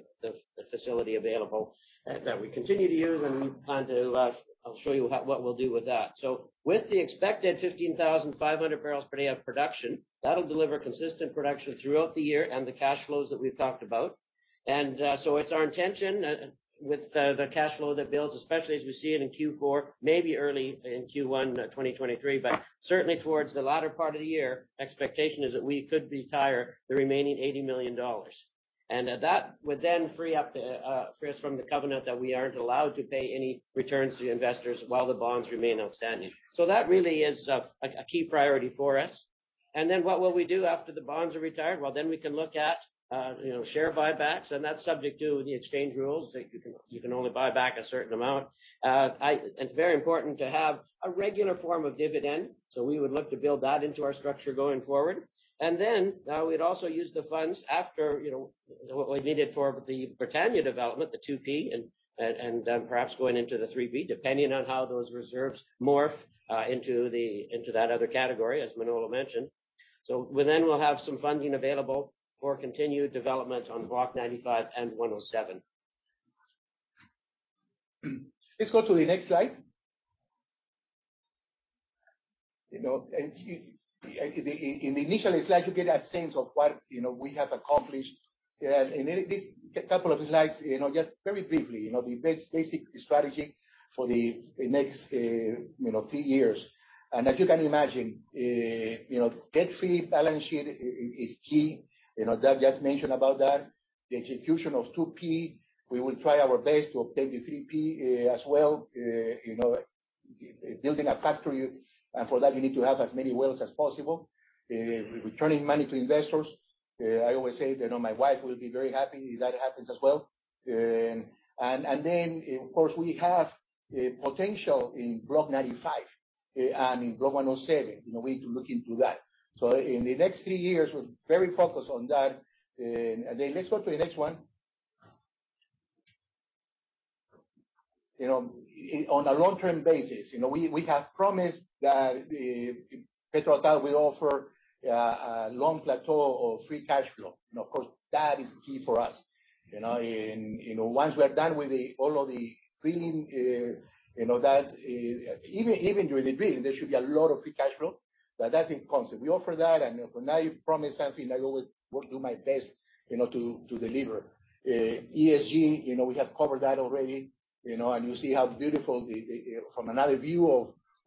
facility available that we continue to use. Plan to. I'll show you what we'll do with that. With the expected 15,500 barrels per day of production, that'll deliver consistent production throughout the year and the cash flows that we've talked about. It's our intention with the cash flow that builds, especially as we see it in Q4, maybe early in Q1, 2023, but certainly towards the latter part of the year, expectation is that we could retire the remaining $80 million. That would then free us from the covenant that we aren't allowed to pay any returns to investors while the bonds remain outstanding. That really is a key priority for us. Then what will we do after the bonds are retired? Well, then we can look at share buybacks, and that's subject to the exchange rules that you can only buy back a certain amount. It's very important to have a regular form of dividend, so we would look to build that into our structure going forward. Then we'd also use the funds after what we needed for the Bretaña development, the 2P, and perhaps going into the 3P, depending on how those reserves morph into that other category, as Manolo mentioned. Then we'll have some funding available for continued development on Block 95 and 107. Let's go to the next slide. You know, in the initial slide, you get a sense of what, you know, we have accomplished. A couple of slides, you know, just very briefly, you know, the very basic strategy for the next, you know, three years. As you can imagine, you know, debt-free balance sheet is key. You know, Doug just mentioned about that. The execution of 2P. We will try our best to obtain the 3P as well. You know, building a factory, and for that, you need to have as many wells as possible. Returning money to investors. I always say, you know, my wife will be very happy if that happens as well. Of course, we have the potential in Block 95 and in Block 107, you know, we need to look into that. In the next three years, we're very focused on that. Let's go to the next one. You know, on a long-term basis, you know, we have promised that PetroTal will offer a long plateau of free cash flow. You know, of course, that is key for us. You know, once we're done with all of the drilling, you know, that even during the drilling, there should be a lot of free cash flow. That's in concept. We offer that, and when I promise something, I always will do my best, you know, to deliver. ESG, you know, we have covered that already, you know, and you see how beautiful from another view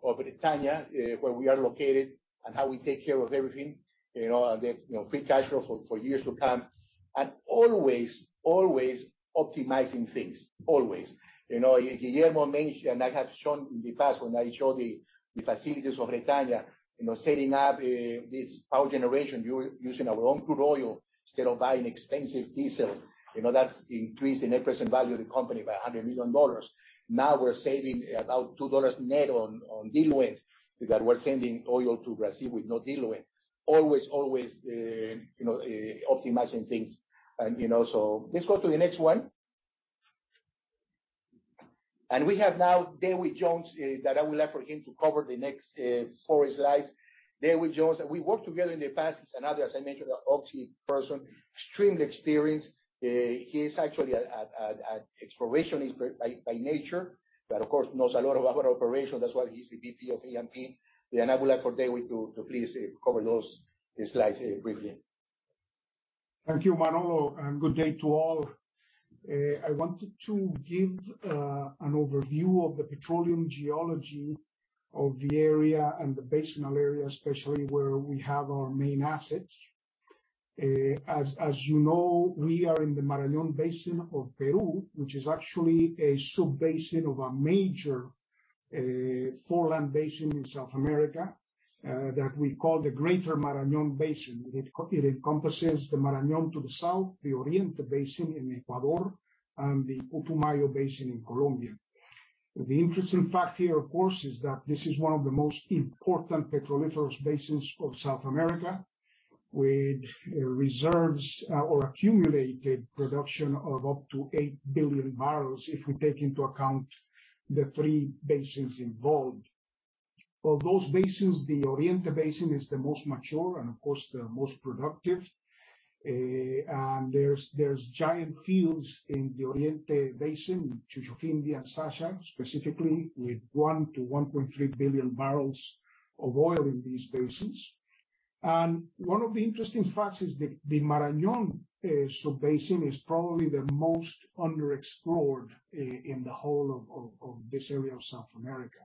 of Bretaña, where we are located and how we take care of everything, you know, and then, you know, free cash flow for years to come. Always optimizing things. Always. You know, Guillermo mentioned, I have shown in the past when I showed the facilities of Bretaña, you know, setting up this power generation using our own crude oil instead of buying expensive diesel. You know, that's increased the net present value of the company by $100 million. Now we're saving about $2 net on diluent that we're sending oil to Brazil with no diluent. Always optimizing things. You know, let's go to the next one. We have now Dewi Jones that I would like for him to cover the next four slides. Dewi Jones, we worked together in the past. He's another, as I mentioned, an ops person, extremely experienced. He is actually an exploration expert by nature, but of course knows a lot about operation. That's why he's the VP of E&P. I would like for Dewi to please cover those slides briefly. Thank you, Manolo, and good day to all. I wanted to give an overview of the petroleum geology of the area and the basinal area, especially where we have our main assets. As you know, we are in the Marañón Basin of Peru, which is actually a sub-basin of a major foreland basin in South America that we call the Greater Marañón Basin. It encompasses the Marañón to the south, the Oriente Basin in Ecuador, and the Putumayo Basin in Colombia. The interesting fact here, of course, is that this is one of the most important petroliferous basins of South America, with reserves or accumulated production of up to 8 billion barrels if we take into account the three basins involved. Of those basins, the Oriente Basin is the most mature and of course the most productive. There's giant fields in the Oriente Basin, Shushufindi and Sacha specifically, with 1-1.3 billion barrels of oil in these basins. One of the interesting facts is the Marañón sub-basin is probably the most underexplored in the whole of this area of South America.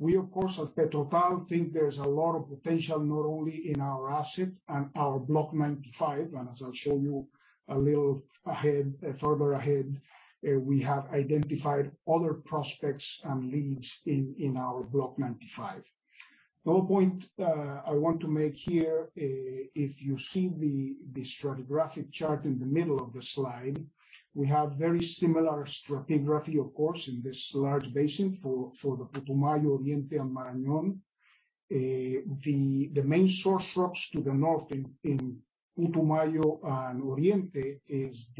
We, of course, at PetroTal think there's a lot of potential, not only in our asset and our Block 95, and as I'll show you further ahead, we have identified other prospects and leads in our Block 95. The whole point I want to make here, if you see the stratigraphic chart in the middle of the slide, we have very similar stratigraphy, of course, in this large basin for the Putumayo, Oriente, and Marañón. The main source rocks to the north in Putumayo and Oriente is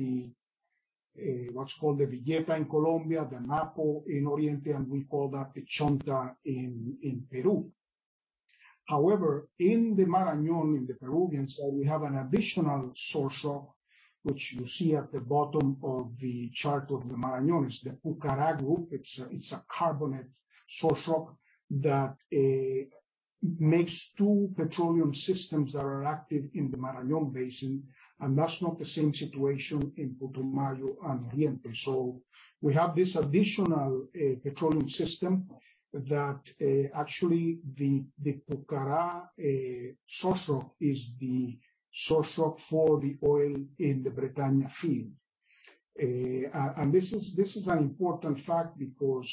what's called the Villeta in Colombia, the Napo in Oriente, and we call that the Chonta in Peru. However, in the Marañón, in the Peruvian side, we have an additional source rock, which you see at the bottom of the chart of the Marañón. It's the Pucará Group. It's a carbonate source rock that makes two petroleum systems that are active in the Marañón Basin, and that's not the same situation in Putumayo and Oriente. We have this additional petroleum system that actually the Pucará source rock is the source rock for the oil in the Bretaña field. This is an important fact because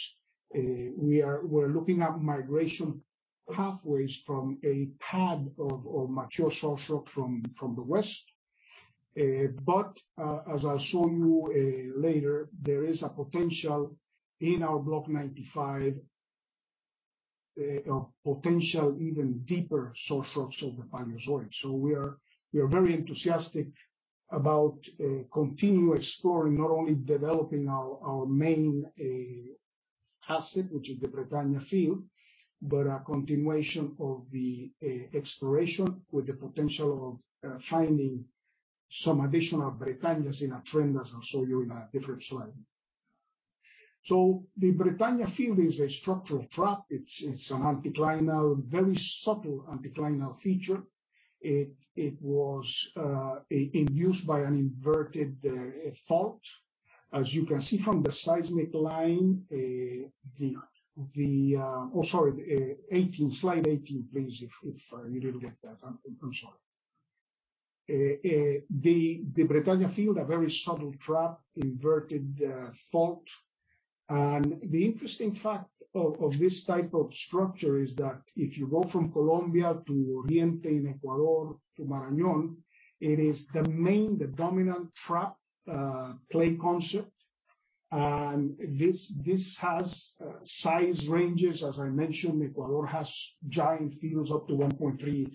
we're looking at migration pathways from a pod of mature source rock from the west. As I'll show you later, there is a potential in our Block 95, a potential even deeper source rocks over Permian source rocks. We are very enthusiastic about continue exploring, not only developing our main asset, which is the Bretaña field, but a continuation of the exploration with the potential of finding some additional Bretañas in a trend as I'll show you in a different slide. The Bretaña field is a structural trap. It's an anticlinal, very subtle anticlinal feature. It was enhanced by an inverted fault. As you can see from the seismic line. Slide 18, please, if you didn't get that. I'm sorry. The Bretaña field, a very subtle trap, inverted fault. The interesting fact of this type of structure is that if you go from Colombia to Oriente in Ecuador to Marañón, it is the main, the dominant trap play concept. This has size ranges. As I mentioned, Ecuador has giant fields up to 1.3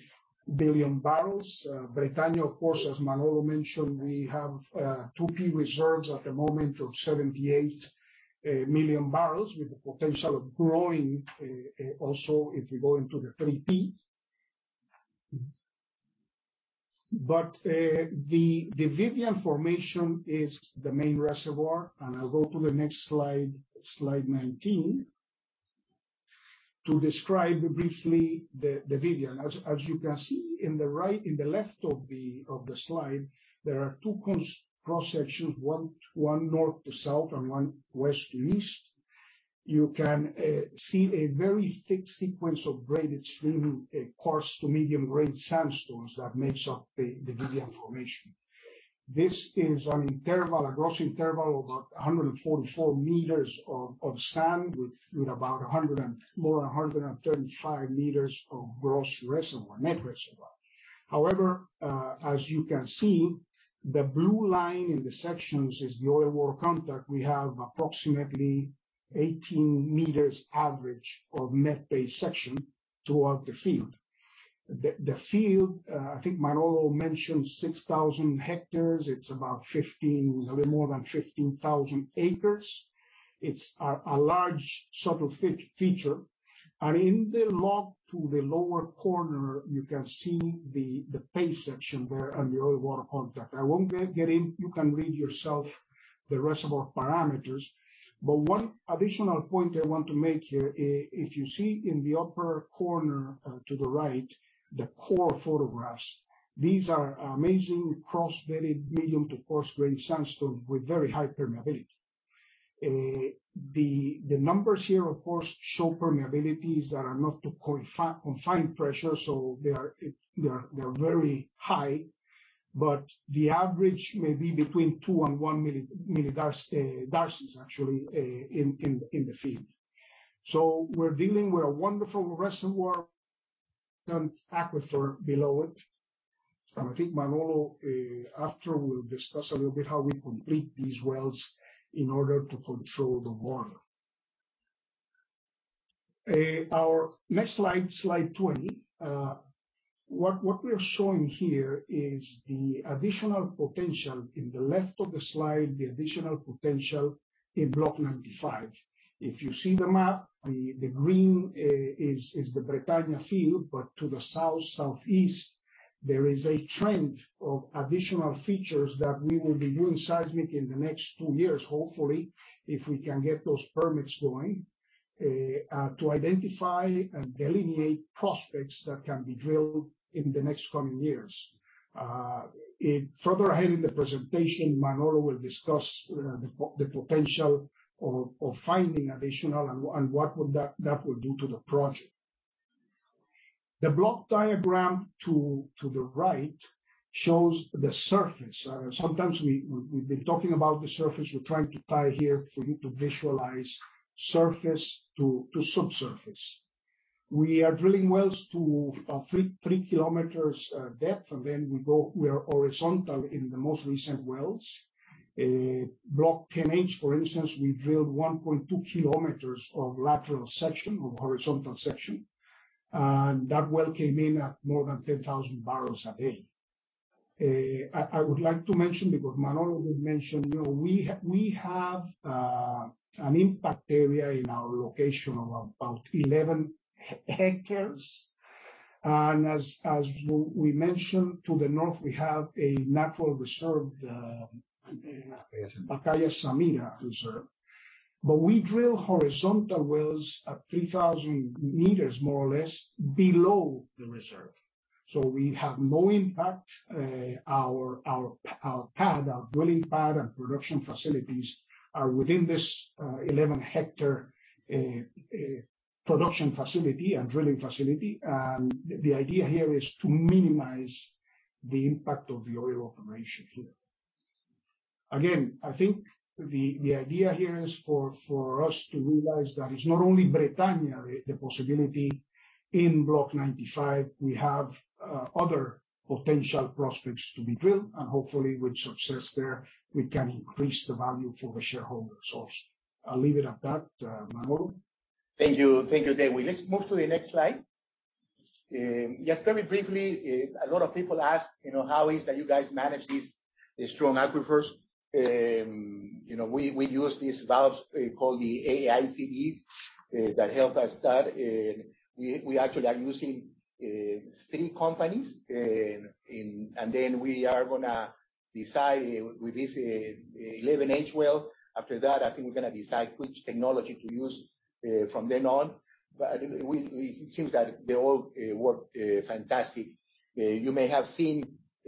billion barrels. Bretaña, of course, as Manolo mentioned, we have 2P reserves at the moment of 78 million barrels with the potential of growing, also if you go into the 3P. The Vivian Formation is the main reservoir. I'll go to the next slide 19, to describe briefly the Vivian. As you can see in the right. In the left of the slide, there are two cross-sections, one north to south and one west to east. You can see a very thick sequence of graded streaming coarse to medium grain sandstones that makes up the Vivian Formation. This is an interval, a gross interval of 144 meters of sand with more than 135 meters of gross reservoir, net reservoir. However, as you can see, the blue line in the sections is the oil-water contact. We have approximately 18 meters average of net pay section throughout the field. The field, I think Manolo mentioned 6,000 hectares. It's a little more than 15,000 acres. It's a large subtle feature. In the log to the lower corner, you can see the pay section there and the oil-water contact. I won't get in. You can read yourself the reservoir parameters. One additional point I want to make here, if you see in the upper corner to the right, the core photographs. These are amazing cross-bedded medium to coarse grain sandstone with very high permeability. The numbers here, of course, show permeabilities that are not to confined pressure, so they are very high. But the average may be between 2 and 1 millidarcies, darcies actually, in the field. So we're dealing with a wonderful reservoir and aquifer below it. I think Manolo after will discuss a little bit how we complete these wells in order to control the water. Our next slide 20. What we are showing here is the additional potential. In the left of the slide, the additional potential in Block 95. If you see the map, the green is the Bretaña field, but to the south-southeast, there is a trend of additional features that we will be doing seismic in the next 2 years, hopefully, if we can get those permits going, to identify and delineate prospects that can be drilled in the next coming years. Further ahead in the presentation, Manolo will discuss the potential of finding additional and what would that do to the project. The block diagram to the right shows the surface. Sometimes we've been talking about the surface, we're trying to tie here for you to visualize surface to subsurface. We are drilling wells to three kilometers depth, and then we are horizontal in the most recent wells. Block 107, for instance, we drilled 1.2 kilometers of lateral section or horizontal section. That well came in at more than 10,000 barrels a day. I would like to mention, because Manolo will mention, you know, we have an impact area in our location of about 11 hectares. As we mentioned, to the north, we have a natural reserve, the. Yes. Pacaya-Samiria National Reserve. We drill horizontal wells at 3,000 meters, more or less, below the reserve. We have no impact. Our pad, our drilling pad and production facilities are within this 11-hectare production facility and drilling facility. The idea here is to minimize the impact of the oil operation here. Again, I think the idea here is for us to realize that it's not only Bretaña, the possibility in Block 95. We have other potential prospects to be drilled, and hopefully with success there, we can increase the value for the shareholders. I'll leave it at that. Manolo. Thank you. Thank you, Dewi. Let's move to the next slide. Just very briefly, a lot of people ask, you know, "How is that you guys manage these strong aquifers?" You know, we use these valves called the AICDs that help us start. We actually are using three companies. Then we are going to decide with this 11H well. After that, I think we're going to decide which technology to use from then on. It seems that they all work fantastic. You may have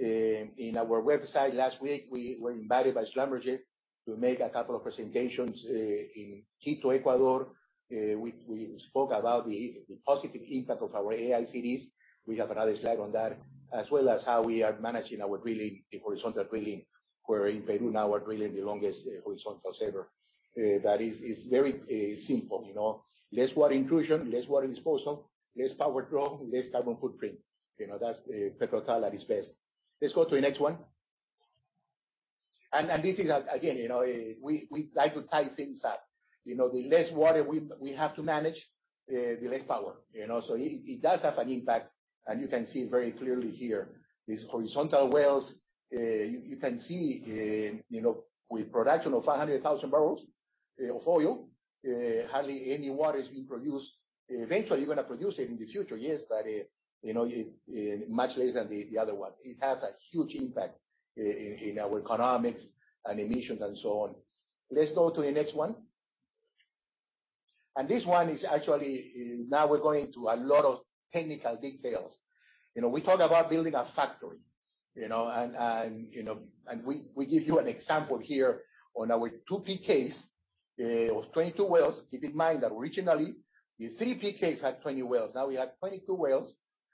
seen in our website last week, we were invited by Schlumberger to make a couple of presentations in Quito, Ecuador. We spoke about the positive impact of our AICDs. We have another slide on that, as well as how we are managing our drilling, the horizontal drilling. We're in Peru now. We're drilling the longest horizontals ever. It's very simple, you know. Less water intrusion, less water disposal, less power draw, less carbon footprint. You know, that's the PetroTal that is best. Let's go to the next one. This is again, you know, we like to tie things up. You know, the less water we have to manage, the less power. You know? It does have an impact, and you can see it very clearly here. These horizontal wells. You can see, you know, with production of 100,000 barrels of oil, hardly any water is being produced. Eventually, you're going to produce it in the future, yes, but you know, it much less than the other ones. It has a huge impact in our economics and emissions and so on. Let's go to the next one. This one is actually now we're going into a lot of technical details. You know, we talk about building a factory, you know, and we give you an example here on our 2P case of 22 wells. Keep in mind that originally, the 3P case had 20 wells. Now we have 22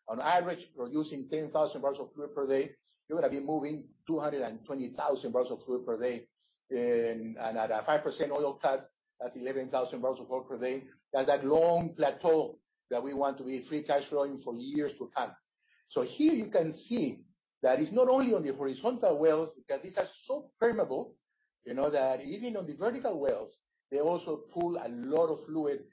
wells. On average, we're using 10,000 barrels of fluid per day. You're going to be moving 220,000 barrels of fluid per day. And at a 5% oil cut, that's 11,000 barrels of oil per day. That's that long plateau that we want to be free cash flowing for years to come. Here you can see that it's not only on the horizontal wells, because these are so permeable, you know, that even on the vertical wells, they also pull a lot of fluid.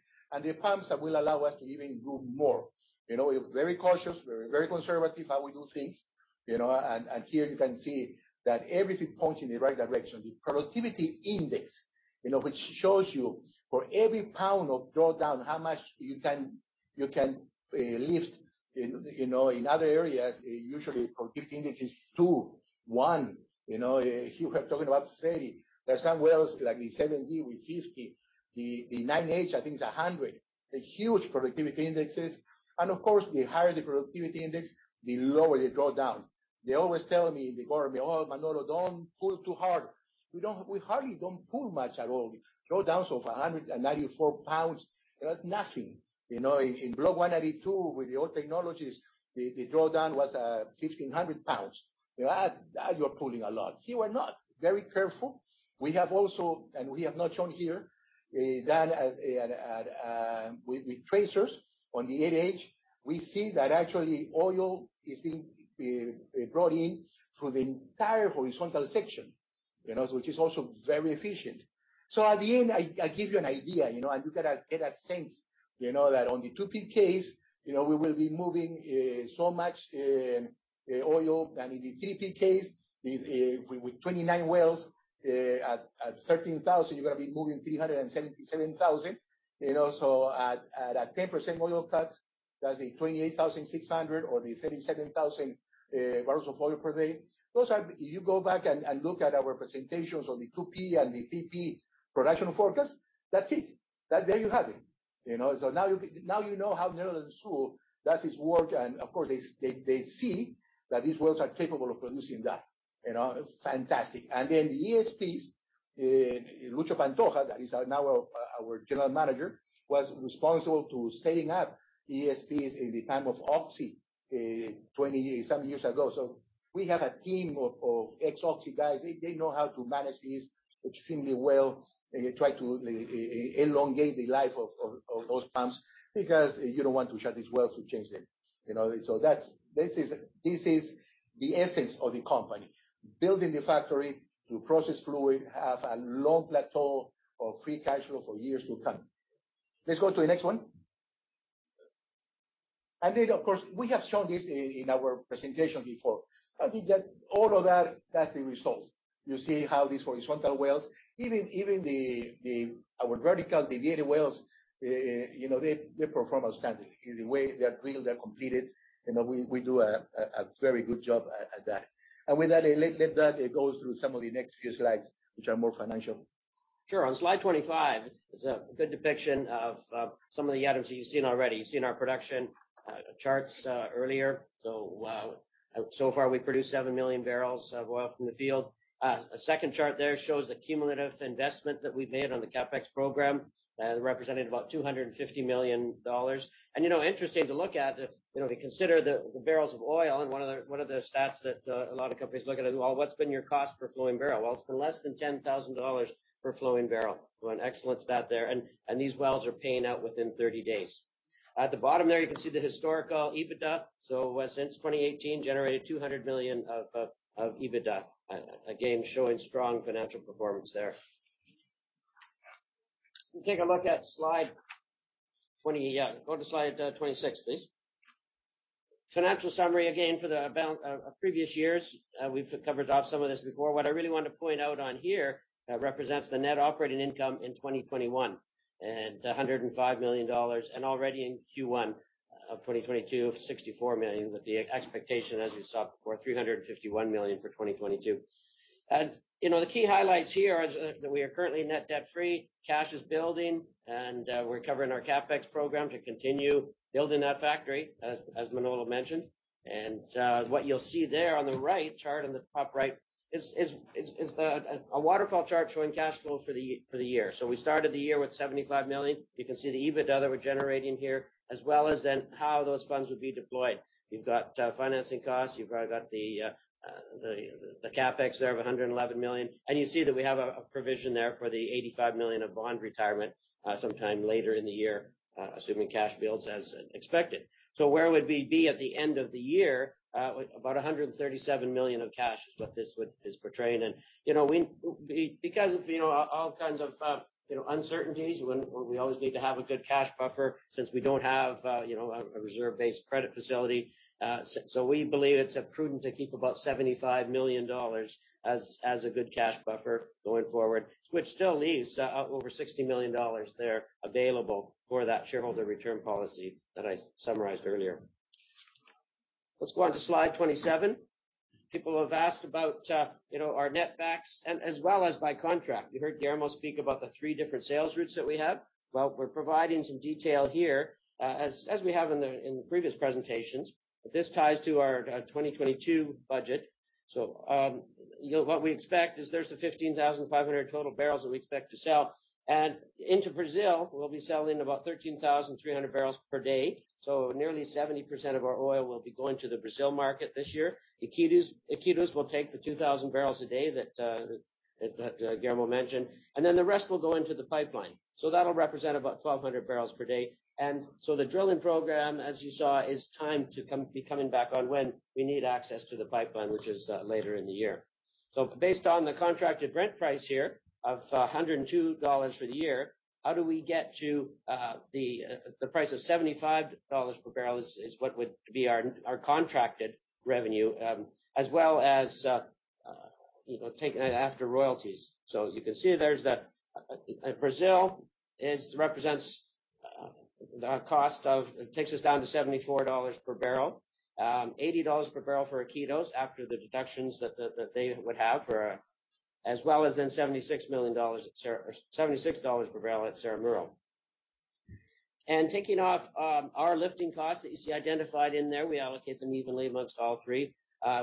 The pumps that will allow us to even move more. You know, we're very cautious. We're very conservative how we do things, you know, and here you can see that everything points in the right direction. The productivity index, you know, which shows you for every pound of drawdown, how much you can lift. You know, in other areas, usually productivity index is 2, 1. You know, here we're talking about 30. There are some wells like the 7D with 50. The 9H, I think it's 100. They're huge productivity indexes. Of course, the higher the productivity index, the lower the drawdown. They always tell me, they call me, "Oh, Manolo, don't pull too hard." We hardly don't pull much at all. Drawdowns of 194 pounds, that's nothing. You know, in block 192 with the old technologies, the drawdown was 1,500 pounds. You know, that you're pulling a lot. Here we're not. Very careful. We have also and we have not shown here done with tracers on the 8H. We see that actually oil is being brought in through the entire horizontal section, you know, which is also very efficient. At the end, I give you an idea, you know, and you get a sense, you know, that on the 2P case, you know, we will be moving so much oil. In the 3P case, with 29 wells at 13,000, you're going to be moving 377,000. You know, at a 10% oil cuts, that's 28,600 or 37,000 barrels of oil per day. Those are. If you go back and look at our presentations on the 2P and the 3P production forecast, that's it. There you have it, you know. Now you know how Netherland, Sewell does his work. Of course, they see that these wells are capable of producing that, you know. Fantastic. The ESPs, Luis Pantoja, that is our general manager, was responsible to setting up ESPs in the time of Oxy, seven years ago. We have a team of ex-Oxy guys. They know how to manage these extremely well. They try to elongate the life of those pumps because you don't want to shut these wells to change them, you know. This is the essence of the company. Building the factory to process fluid, have a long plateau of free cash flow for years to come. Let's go to the next one. Of course, we have shown this in our presentation before. But all of that's the result. You see how these horizontal wells, even the. Our vertical deviated wells, you know, they perform outstanding. The way they're drilled, they're completed. You know, we do a very good job at that. With that, Eli, let that go through some of the next few slides, which are more financial. Sure. On slide 25 is a good depiction of some of the items you've seen already. You've seen our production charts earlier. So far we've produced 7 million barrels of oil from the field. A second chart there shows the cumulative investment that we've made on the CapEx program, representing about $250 million. You know, interesting to look at, you know, to consider the barrels of oil and one of the stats that a lot of companies look at is, "Well, what's been your cost per flowing barrel?" Well, it's been less than $10,000 per flowing barrel. An excellent stat there. These wells are paying out within 30 days. At the bottom there, you can see the historical EBITDA. Since 2018, generated $200 million of EBITDA. Again, showing strong financial performance there. We'll take a look at slide 20. Yeah. Go to slide 26 please. Financial summary again for the previous years. We've covered off some of this before. What I really want to point out on here represents the net operating income in 2021 at $105 million, and already in Q1 of 2022, $64 million, with the expectation, as you saw before, $351 million for 2022. You know, the key highlights here is that we are currently net debt-free, cash is building, and we're covering our CapEx program to continue building that factory as Manolo mentioned. What you'll see there on the right chart, on the top right is the a waterfall chart showing cash flows for the year. We started the year with $75 million. You can see the EBITDA that we're generating here, as well as then how those funds would be deployed. You've got financing costs. You've got the CapEx there of $111 million. You see that we have a provision there for the $85 million of bond retirement sometime later in the year, assuming cash builds as expected. Where would we be at the end of the year? About $137 million of cash is what this is portraying. You know, we... Because of, you know, all kinds of uncertainties, we always need to have a good cash buffer since we don't have, you know, a reserve-based credit facility. So we believe it's prudent to keep about $75 million as a good cash buffer going forward, which still leaves over $60 million there available for that shareholder return policy that I summarized earlier. Let's go on to slide 27. People have asked about, you know, our netbacks and as well as by contract. You heard Guillermo speak about the three different sales routes that we have. Well, we're providing some detail here, as we have in the previous presentations. This ties to our 2022 budget. You know, what we expect is there's the 15,500 total barrels that we expect to sell. Into Brazil, we'll be selling about 13,300 barrels per day. Nearly 70% of our oil will be going to the Brazil market this year. Iquitos will take the 2,000 barrels a day that Guillermo mentioned, and then the rest will go into the pipeline. That'll represent about 1,200 barrels per day. The drilling program, as you saw, is timed to come back on when we need access to the pipeline, which is later in the year. Based on the contracted Brent price here of $102 for the year, how do we get to the price of $75 per barrel is what would be our contracted revenue, as well as, you know, taking it after royalties. You can see Brazil represents the cost. It takes us down to $74 per barrel. $80 per barrel for Iquitos after the deductions that they would have, as well as $76 per barrel at Cerre-Miro. Taking off our lifting costs that you see identified in there, we allocate them evenly among all three.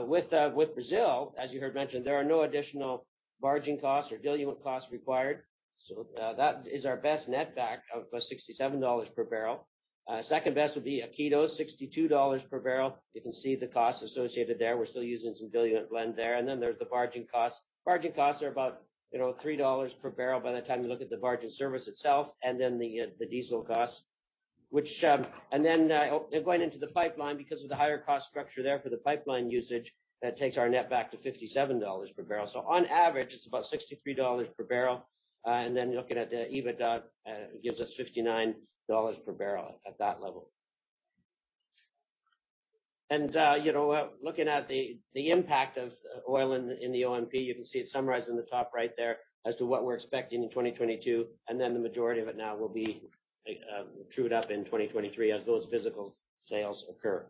With Brazil, as you heard mentioned, there are no additional barging costs or diluent costs required. That is our best netback of $67 per barrel. Second best would be Iquitos, $62 per barrel. You can see the costs associated there. We're still using some diluent blend there. There's the barging costs. Barging costs are about, you know, $3 per barrel by the time you look at the barge's service itself and then the diesel costs. Which going into the pipeline, because of the higher cost structure there for the pipeline usage, that takes our netback to $57 per barrel. On average, it's about $63 per barrel. Looking at the EBITDA, it gives us $59 per barrel at that level. You know, looking at the impact of oil in the OMP, you can see it summarized in the top right there as to what we're expecting in 2022, and then the majority of it now will be trued up in 2023 as those physical sales occur.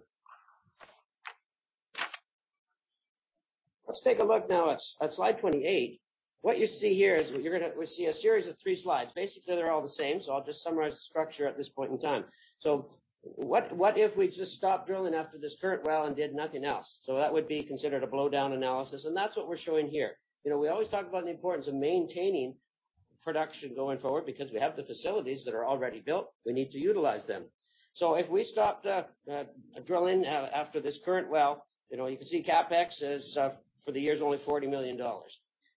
Let's take a look now at slide 28. What you see here is we see a series of three slides. Basically, they're all the same, so I'll just summarize the structure at this point in time. What if we just stopped drilling after this current well and did nothing else? That would be considered a blowdown analysis, and that's what we're showing here. You know, we always talk about the importance of maintaining production going forward because we have the facilities that are already built. We need to utilize them. If we stopped drilling after this current well, you know, you can see CapEx is for the year only $40 million.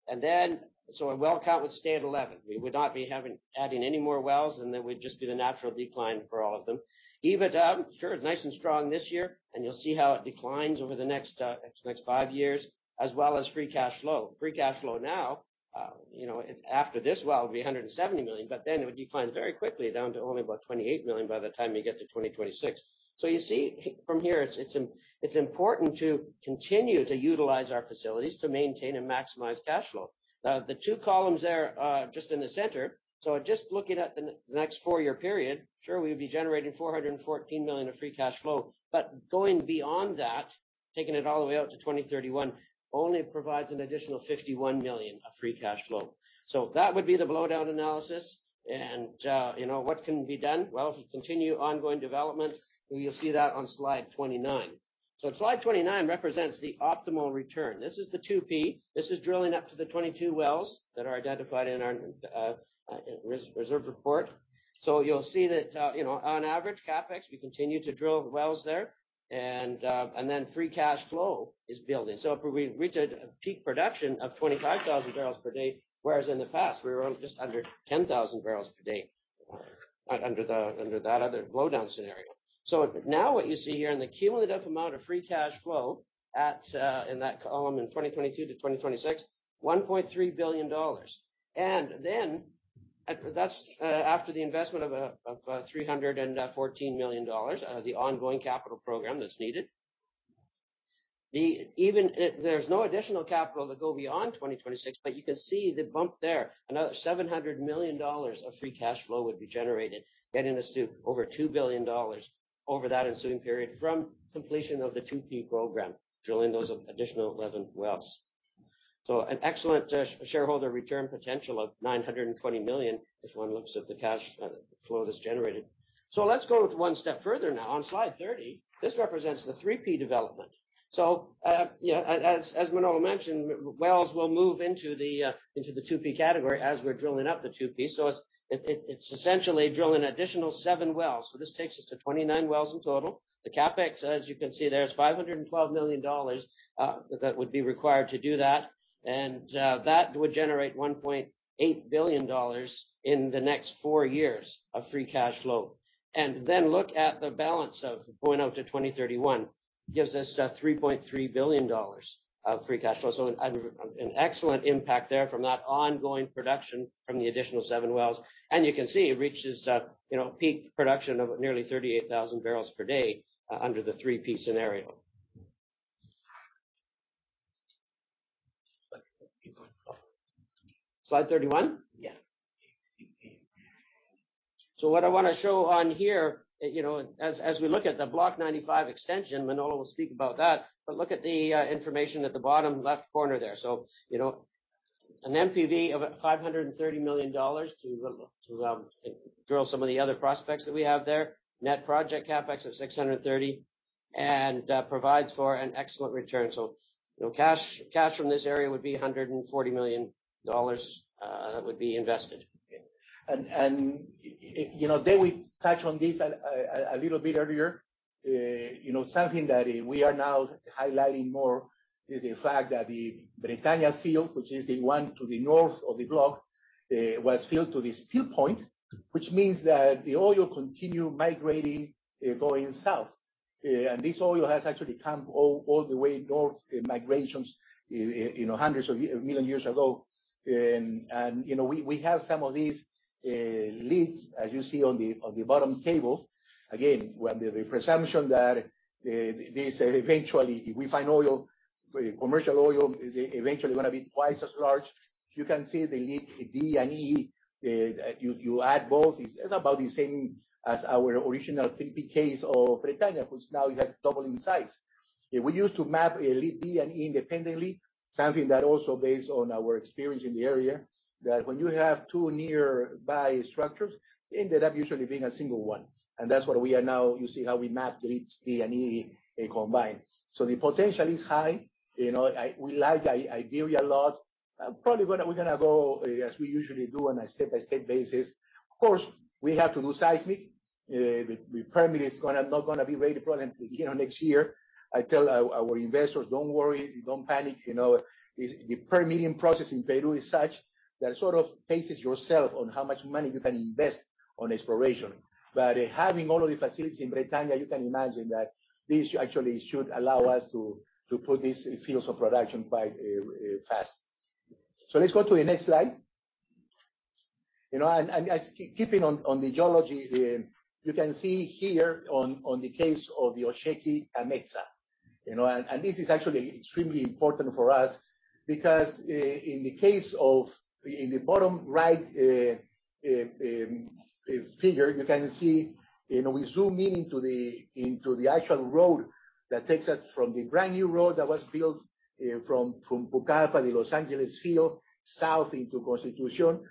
Our well count would stay at 11. We would not be adding any more wells, and then we'd just do the natural decline for all of them. EBITDA, sure, is nice and strong this year, and you'll see how it declines over the next 5 years, as well as free cash flow. Free cash flow now, you know, after this well, will be $170 million, but then it would decline very quickly down to only about $28 million by the time you get to 2026. You see from here, it's important to continue to utilize our facilities to maintain and maximize cash flow. The two columns there, just in the center, just looking at the next four-year period, sure, we'd be generating $414 million of free cash flow. Going beyond that, taking it all the way out to 2031, only provides an additional $51 million of free cash flow. That would be the blowdown analysis. You know, what can be done? Well, if we continue ongoing development, you'll see that on slide 29. Slide 29 represents the optimal return. This is the 2P. This is drilling up to the 22 wells that are identified in our reserve report. You'll see that, you know, on average CapEx, we continue to drill wells there and then free cash flow is building. If we reach peak production of 25,000 barrels per day, whereas in the past, we were on just under 10,000 barrels per day under that other blowdown scenario. Now what you see here the cumulative amount of free cash flow in that column in 2022-2026, $1.3 billion. Then after the investment of $314 million, the ongoing capital program that's needed. Even if there's no additional capital to go beyond 2026, you can see the bump there. Another $700 million of free cash flow would be generated, getting us to over $2 billion over that ensuing period from completion of the 2P program, drilling those additional 11 wells. An excellent shareholder return potential of $920 million if one looks at the cash flow that's generated. Let's go one step further now on slide 30. This represents the 3P development. Yeah, as Manuel mentioned, wells will move into the 2P category as we're drilling up the 2P. It's essentially drilling additional seven wells. This takes us to 29 wells in total. The CapEx, as you can see there, is $512 million that would be required to do that. That would generate $1.8 billion in the next four years of free cash flow. Then look at the balance of going out to 2031. Gives us $3.3 billion of free cash flow. An excellent impact there from that ongoing production from the additional 7 wells. You can see it reaches, you know, peak production of nearly 38,000 barrels per day under the 3P scenario. Slide 31? Yeah. What I want to show on here, you know, as we look at the Block 95 extension, Manolo will speak about that, but look at the information at the bottom left corner there. You know, an NPV of $530 million to drill some of the other prospects that we have there. Net project CapEx of $630 million, and provides for an excellent return. You know, cash from this area would be $140 million that would be invested. You know, Dewi, we touched on this a little bit earlier. You know, something that we are now highlighting more is the fact that the Bretaña field, which is the one to the north of the block, was filled to the spill point, which means that the oil continued migrating, going south. This oil has actually come all the way north in migrations, you know, hundreds of million years ago. You know, we have some of these leads, as you see on the bottom table. Again, with the presumption that these eventually if we find oil, commercial oil is eventually going to be twice as large. You can see the leads D and E. You add both, it's about the same as our original 3P case of Bretaña, which now it has doubled in size. We used to map leads D and E independently, something that also based on our experience in the area, that when you have two nearby structures, they end up usually being a single one. That's what we are now. You see how we map leads D and E combined. The potential is high. We like the idea a lot. Probably we're going to go as we usually do on a step-by-step basis. Of course, we have to do seismic. The permit is not going to be ready probably until next year. I tell our investors, "Don't worry. Don't panic." You know, it's the permitting process in Peru is such that it sort of paces yourself on how much money you can invest on exploration. Having all of the facilities in Bretaña, you can imagine that this actually should allow us to put these fields of production quite fast. Let's go to the next slide. You know, and keeping on the geology, you can see here on the case of the Osheki and Kametza. You know, and this is actually extremely important for us because in the case of. In the bottom right figure, you can see. You know, we zoom in into the actual road that takes us from the brand-new road that was built from Pucallpa, the Los Angeles field, south into Constitución.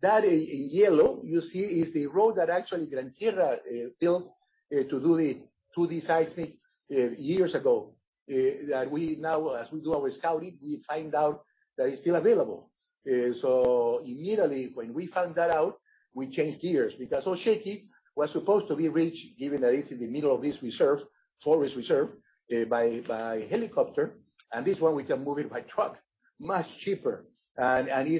That, in yellow, you see, is the road that actually Gran Tierra built to do the 2D seismic years ago. That we now, as we do our scouting, find out that it's still available. Immediately when we found that out, we changed gears because Osheki was supposed to be reached, given that it's in the middle of this forest reserve, by helicopter. It's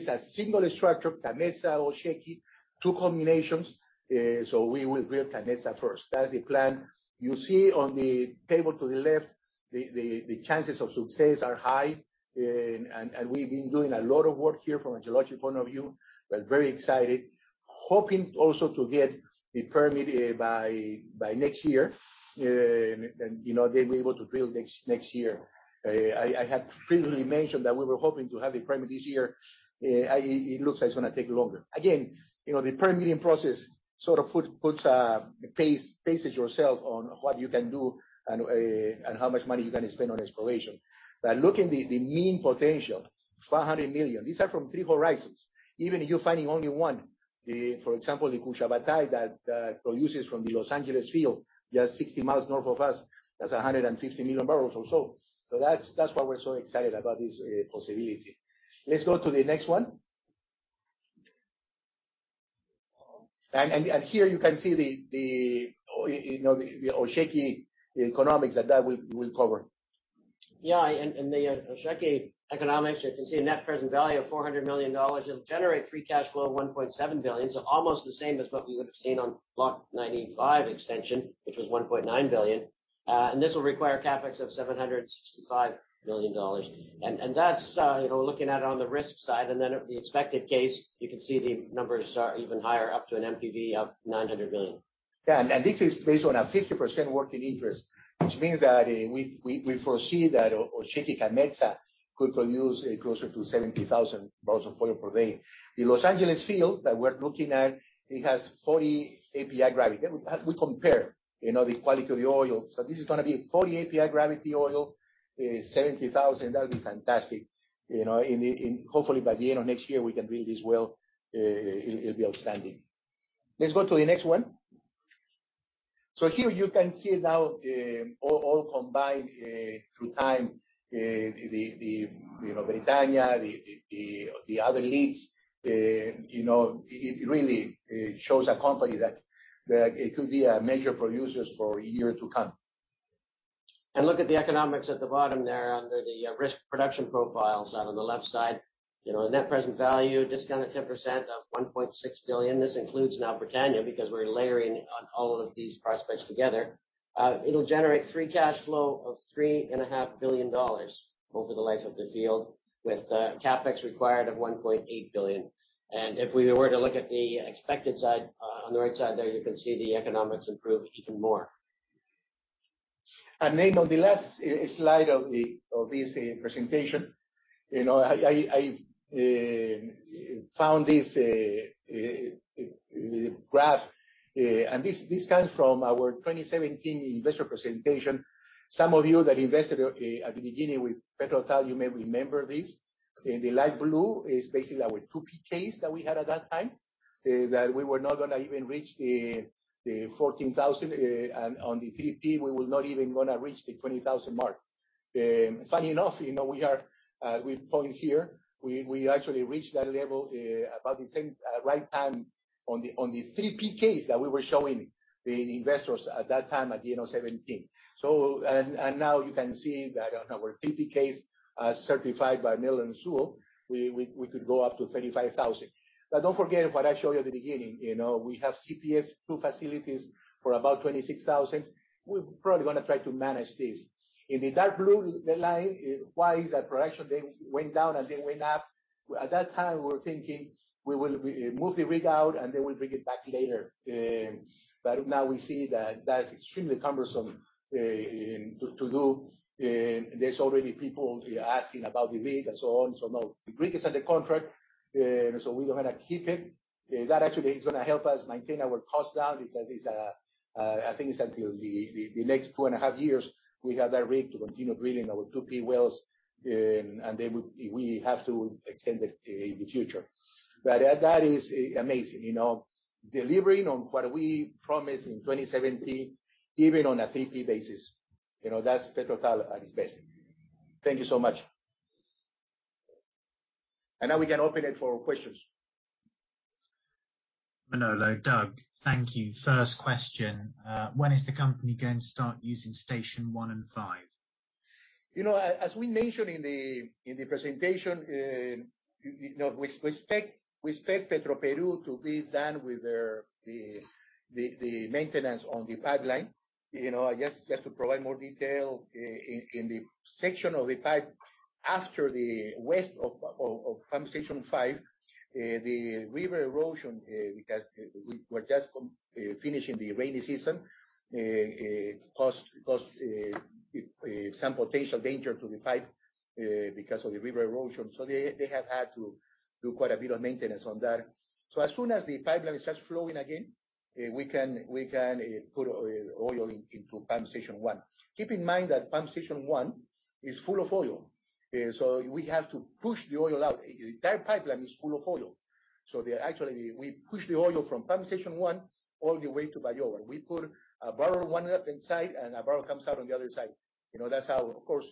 a single structure, Kametza, Osheki, two combinations. We will drill Kametza first. That's the plan. You see on the table to the left, the chances of success are high. We've been doing a lot of work here from a geologic point of view. We're very excited. Hoping also to get the permit by next year. You know, then be able to drill next year. I had previously mentioned that we were hoping to have the permit this year. It looks like it's going to take longer. Again, you know, the permitting process sort of puts paces yourself on what you can do and how much money you're going to spend on exploration. Look at the mean potential, 500 million. These are from three horizons. Even if you're finding only one, for example, the Cushabatay that produces from the Los Angeles field, just 60 miles north of us, that's 150 million barrels or so. That's why we're so excited about this possibility. Let's go to the next one. Here you can see the, you know, the Osheki economics that we'll cover. Yeah. The Osheki economics, you can see a net present value of $400 million. It'll generate free cash flow of $1.7 billion, almost the same as what we would've seen on Block 95 extension, which was $1.9 billion. This will require CapEx of $765 million. That's, you know, looking at it on the risk side. Then at the expected case, you can see the numbers are even higher, up to an NPV of $900 million. Yeah. This is based on a 50% working interest, which means that we foresee that Osheki and Kametza could produce closer to 70,000 barrels of oil per day. The Los Angeles field that we're looking at, it has 40 API gravity. We compare, you know, the quality of the oil. This is going to be 40 API gravity oil, 70,000. That'll be fantastic. You know, hopefully, by the end of next year, we can drill this well. It'll be outstanding. Let's go to the next one. Here you can see now all combined through time, the Bretaña, the other leads. You know, it really shows a company that it could be a major producer for years to come. Look at the economics at the bottom there under the risk production profiles on the left side. You know, the net present value, discounted 10% of $1.6 billion. This includes now Bretaña because we're layering on all of these prospects together. It'll generate free cash flow of $3.5 billion over the life of the field with CapEx required of $1.8 billion. If we were to look at the expected side on the right side there, you can see the economics improve even more. On the last slide of this presentation, you know, I found this graph, and this comes from our 2017 investor presentation. Some of you that invested at the beginning with PetroTal, you may remember this. The light blue is basically our 2P case that we had at that time. That we were not going to even reach the 14,000, and on the 3P, we were not even going to reach the 20,000 mark. Funny enough, you know, we point here, we actually reached that level about the same right time on the 3P case that we were showing the investors at that time at the end of 2017. Now you can see that on our 3P case, certified by Netherland, Sewell & Associates, we could go up to 35,000. Don't forget what I showed you at the beginning. You know, we have CPF-2 facilities for about 26,000. We're probably going to try to manage this. In the dark blue line, why is that correction? They went down, and they went up. At that time, we were thinking we will move the rig out, and then we'll bring it back later. Now we see that that is extremely cumbersome to do. There's already people asking about the rig and so on. No, the rig is under contract, so we're going to keep it. That actually is going to help us maintain our cost down because it's. I think it's until the next two and a half years we have that rig to continue drilling our 2P wells, and then we have to extend it in the future, but that is amazing, you know, delivering on what we promised in 2017, even on a 3P basis. You know, that's PetroTal at its best. Thank you so much. Now we can open it for questions. Manolo, Doug, thank you. First question. When is the company going to start using station 1 and 5? You know, as we mentioned in the presentation, you know, we expect Petroperú to be done with their maintenance on the pipeline. You know, I guess just to provide more detail. In the section of the pipe after the west of pump station five, the river erosion, because we were just finishing the rainy season, caused some potential danger to the pipe because of the river erosion. They have had to do quite a bit of maintenance on that. As soon as the pipeline starts flowing again, we can put oil into pump station one. Keep in mind that pump station one is full of oil. We have to push the oil out. The entire pipeline is full of oil. Actually, we push the oil from pump station 1 all the way to Bayóvar. We put a barrel one up inside, and a barrel comes out on the other side. You know, that's how. Of course,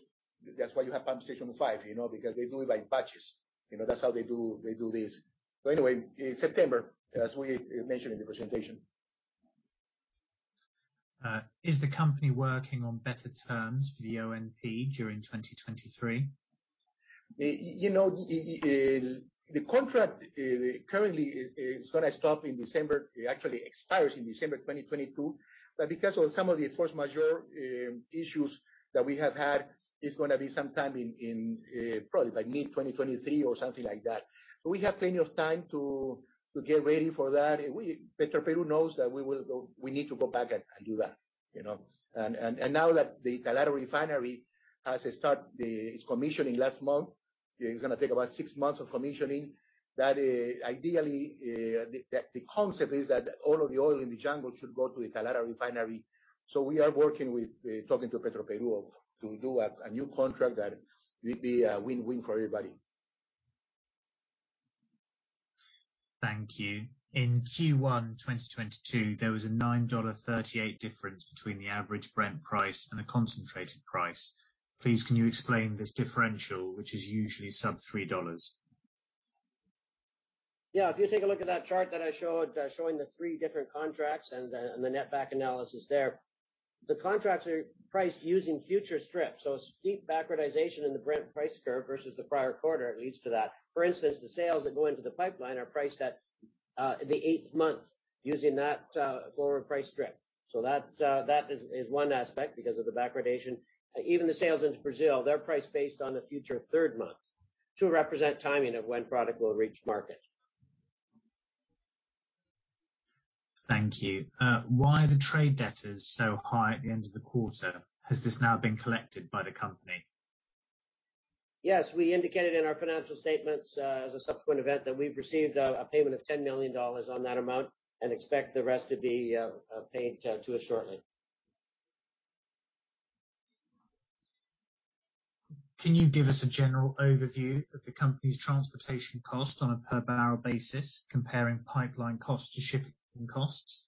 that's why you have pump station 5, you know, because they do it by batches. You know, that's how they do this. Anyway, in September, as we mentioned in the presentation. Is the company working on better terms for the ONP during 2023? You know, the contract currently is going to stop in December. It actually expires in December 2022. Because of some of the force majeure issues that we have had, it's going to be sometime in, probably by mid-2023 or something like that. We have plenty of time to get ready for that. Petroperú knows that we need to go back and do that, you know. Now that the Talara refinery has started its commissioning last month, it's going to take about 6 months of commissioning. That, ideally, the concept is that all of the oil in the jungle should go to the Talara refinery. We are talking to Petroperú to do a new contract that will be a win-win for everybody. Thank you. In Q1 2022, there was a $9.38 difference between the average Brent price and the realized price. Please can you explain this differential, which is usually sub $3? Yeah. If you take a look at that chart that I showed, showing the three different contracts and the netback analysis there. The contracts are priced using future strips, so steep backwardation in the Brent price curve versus the prior quarter leads to that. For instance, the sales that go into the pipeline are priced at the eighth month using that forward price strip. So that's one aspect because of the backwardation. Even the sales into Brazil, they're priced based on the future third month to represent timing of when product will reach market. Thank you. Why are the trade debtors so high at the end of the quarter? Has this now been collected by the company? Yes. We indicated in our financial statements as a subsequent event that we've received a payment of $10 million on that amount and expect the rest to be paid to us shortly. Can you give us a general overview of the company's transportation cost on a per barrel basis, comparing pipeline costs to shipping costs?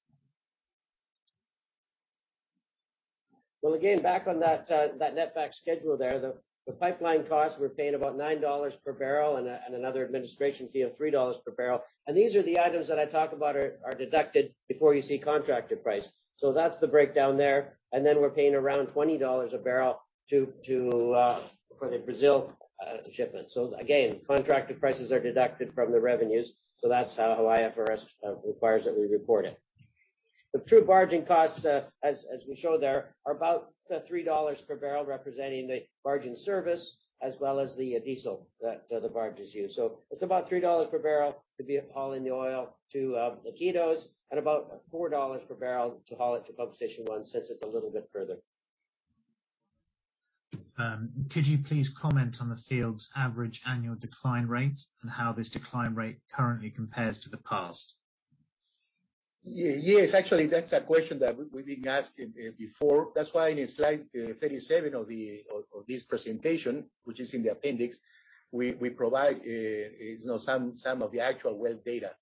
Well, again, back on that netback schedule there. The pipeline costs, we're paying about $9 per barrel and another administration fee of $3 per barrel. These are the items that I talked about are deducted before you see contracted price. That's the breakdown there. Then we're paying around $20 a barrel to for the barge shipment. Again, contracted prices are deducted from the revenues. That's how IFRS requires that we report it. The true barging costs, as we show there, are about $3 per barrel, representing the barging service as well as the diesel that the barges use. It's about $3 per barrel to be hauling the oil to Iquitos at about $4 per barrel to haul it to Pump Station One since it's a little bit further. Could you please comment on the field's average annual decline rates and how this decline rate currently compares to the past? Yes, actually, that's a question that we've been asked before. That's why in slide 37 of this presentation, which is in the appendix, we provide you know, some of the actual well data.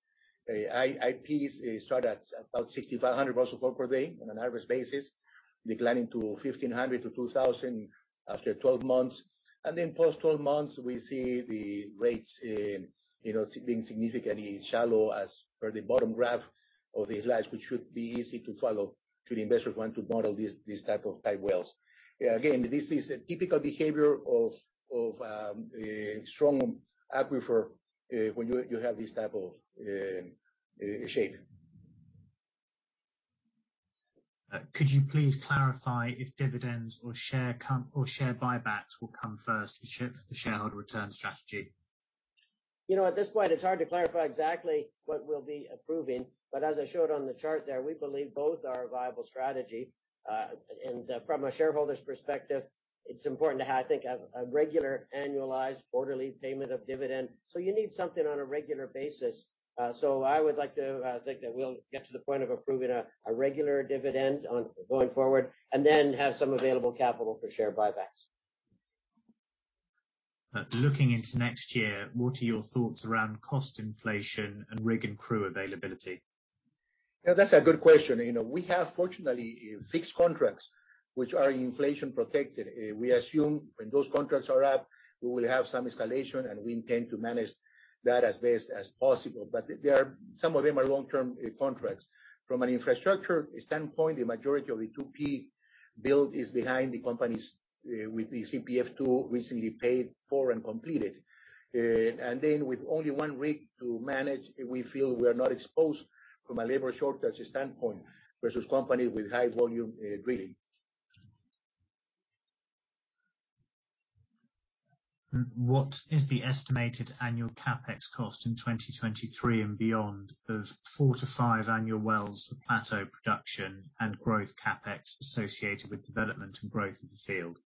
IPs start at about 6,500 barrels of oil per day on an average basis, declining to 1,500-2,000 after 12 months. Post-12 months, we see the rates you know, being significantly shallower as per the bottom graph of the slides, which should be easy to follow for the investor who want to model these type of wells. Again, this is a typical behavior of a strong aquifer when you have this type of shape. Could you please clarify if dividends or share buybacks will come first for shareholder return strategy? You know, at this point, it's hard to clarify exactly what we'll be approving. As I showed on the chart there, we believe both are a viable strategy. From a shareholder's perspective, it's important to have, I think, a regular annualized quarterly payment of dividend. You need something on a regular basis. I would like to think that we'll get to the point of approving a regular dividend going forward, and then have some available capital for share buybacks. Looking into next year, what are your thoughts around cost inflation and rig and crew availability? You know, that's a good question. You know, we have, fortunately, fixed contracts which are inflation protected. We assume when those contracts are up, we will have some escalation, and we intend to manage that as best as possible. There are some of them are long-term contracts. From an infrastructure standpoint, the majority of the 2P build is behind the company's with the CPF-2 recently paid for and completed. With only one rig to manage, we feel we are not exposed from a labor shortage standpoint versus company with high volume drilling. What is the estimated annual CapEx cost in 2023 and beyond of 4-5 annual wells of plateau production and growth CapEx associated with development and growth of the field?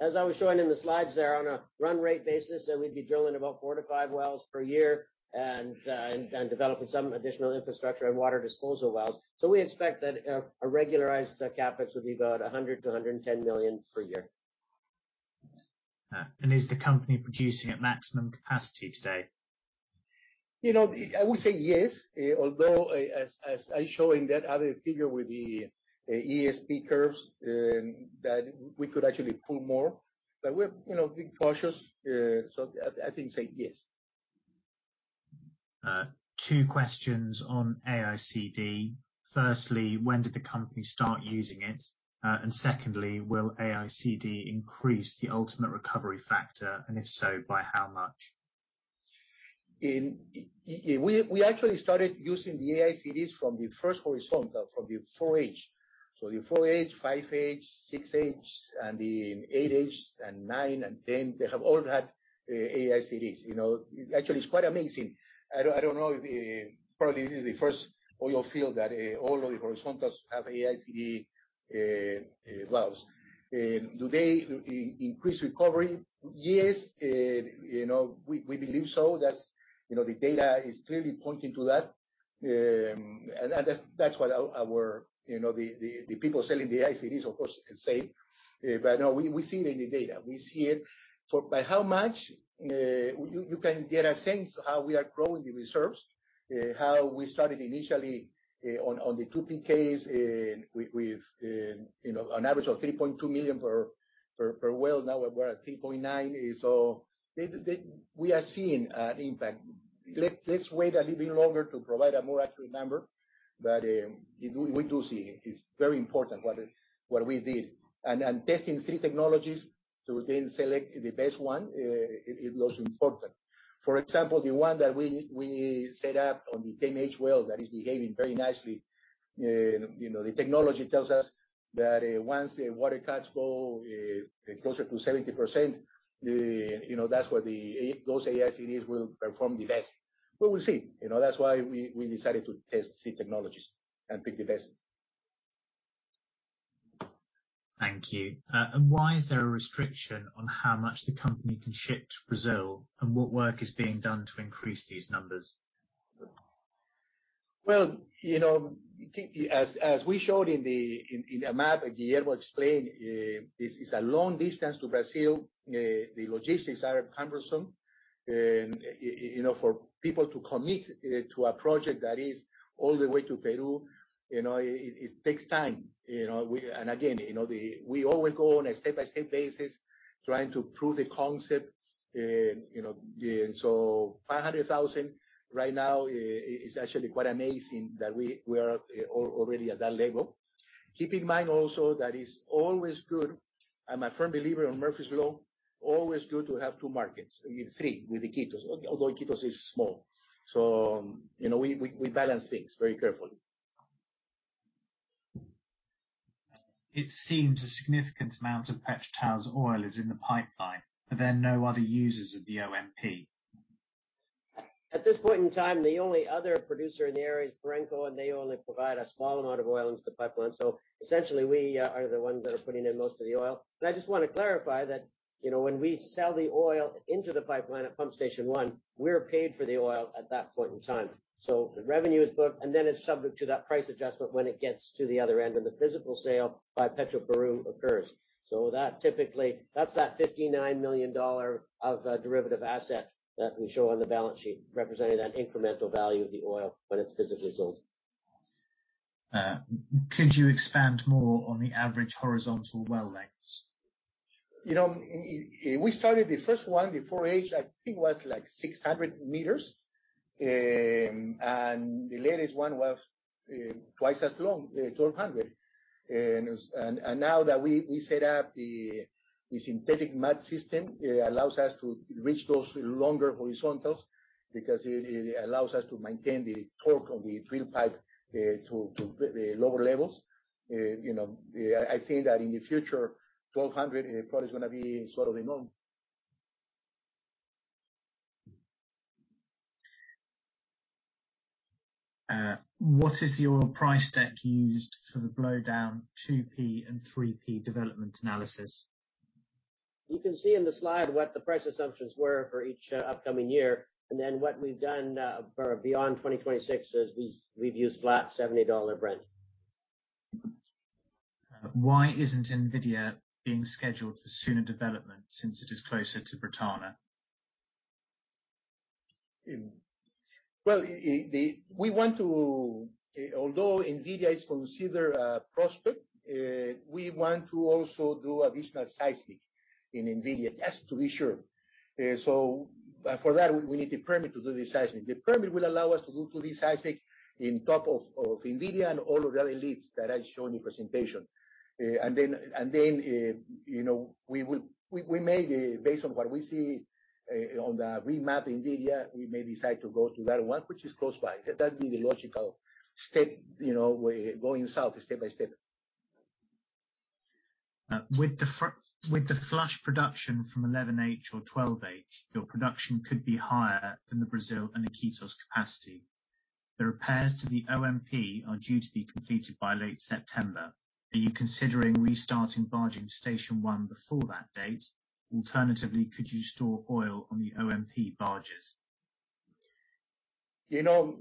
As I was showing in the slides there, on a run rate basis, we'd be drilling about 4-5 wells per year and developing some additional infrastructure and water disposal wells. We expect that a regularized CapEx would be about $100-$110 million per year. Is the company producing at maximum capacity today? You know, I would say yes, although as I show in that other figure with the ESP curves, that we could actually pull more, but we're, you know, being cautious, so I think say yes. Two questions on AICD. Firstly, when did the company start using it? Secondly, will AICD increase the ultimate recovery factor, and if so, by how much? We actually started using the AICDs from the first horizontal, from the 4H. The 4H, 5H, 6H, and the 8H, and 9, and 10, they have all had AICDs. You know, actually, it's quite amazing. I don't know if probably this is the first oil field that all of the horizontals have AICD wells. Do they increase recovery? Yes, you know, we believe so. That's, you know, the data is clearly pointing to that. That's what our, you know, the people selling the AICDs of course say. No, we see it in the data. We see it. By how much? You can get a sense how we are growing the reserves. How we started initially on the 2P case with, you know, an average of 3.2 million per well. Now we're at 3.9. We are seeing an impact. Let's wait a little bit longer to provide a more accurate number. But we do see it. It's very important what we did, testing three technologies to then select the best one. It was important. For example, the one that we set up on the 10H well that is behaving very nicely. You know, the technology tells us that once the water cuts go closer to 70%, you know, that's where those AICDs will perform the best. But we'll see. You know, that's why we decided to test three technologies and pick the best. Thank you. Why is there a restriction on how much the company can ship to Brazil, and what work is being done to increase these numbers? Well, you know, as we showed in a map, Guillermo explained, it's a long distance to Brazil. The logistics are cumbersome. You know, for people to commit to a project that is all the way to Peru, you know, it takes time. You know, again, you know, we always go on a state-by-state basis trying to prove the concept. You know, 500,000 right now is actually quite amazing that we are already at that level. Keep in mind also that it's always good, I'm a firm believer in Murphy's Law, always good to have two markets, three with Iquitos, although Iquitos is small. You know, we balance things very carefully. It seems a significant amount of PetroTal's oil is in the pipeline, but there are no other users of the OMP. At this point in time, the only other producer in the area is Perenco, and they only provide a small amount of oil into the pipeline. Essentially, we are the ones that are putting in most of the oil. I just want to clarify that, you know, when we sell the oil into the pipeline at Pump Station One, we're paid for the oil at that point in time. The revenue is booked, and then it's subject to that price adjustment when it gets to the other end, and the physical sale by Petroperú occurs. That typically that's that $59 million of derivative asset that we show on the balance sheet, representing that incremental value of the oil when it's physically sold. Could you expand more on the average horizontal well lengths? You know, we started the first one, the 4H, I think was, like, 600 meters. The latest one was twice as long, 1200. Now that we set up the synthetic mud system, it allows us to reach those longer horizontals because it allows us to maintain the torque on the drill pipe to the lower levels. You know, I think that in the future, 1200 is probably going to be sort of the norm. What is the oil price deck used for the blowdown 2P and 3P development analysis? You can see in the slide what the price assumptions were for each upcoming year. What we've done for beyond 2026 is we've used flat $70 Brent. Why isn't NVIDIA being scheduled for sooner development since it is closer to Bretaña? Although NVIDIA is considered a prospect, we want to also do additional seismic in NVIDIA just to be sure. For that, we need the permit to do the seismic. The permit will allow us to do the seismic on top of NVIDIA and all of the other leads that I showed in the presentation. You know, we may, based on what we see on the remap NVIDIA, decide to go to that one, which is close by. That'd be the logical step, you know, going south step by step. With the flush production from 11H or 12H, your production could be higher than the Bretaña and Iquitos capacity. The repairs to the OMP are due to be completed by late September. Are you considering restarting barging Station One before that date? Alternatively, could you store oil on the OMP barges? You know,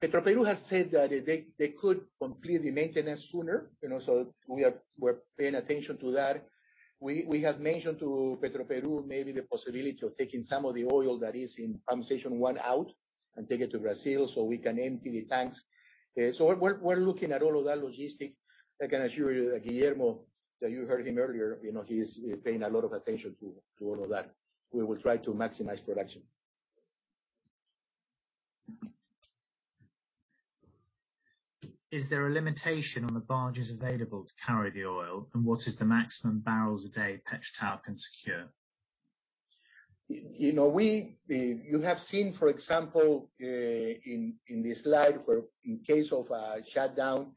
Petroperú has said that they could complete the maintenance sooner, you know, so we're paying attention to that. We have mentioned to Petroperú maybe the possibility of taking some of the oil that is in Pump Station One out and take it to Brazil, so we can empty the tanks. So we're looking at all of that logistics. I can assure you that Guillermo, that you heard him earlier, you know, he's paying a lot of attention to all of that. We will try to maximize production. Is there a limitation on the barges available to carry the oil, and what is the maximum barrels a day PetroTal can secure? You know, you have seen, for example, in the slide where in case of a shutdown,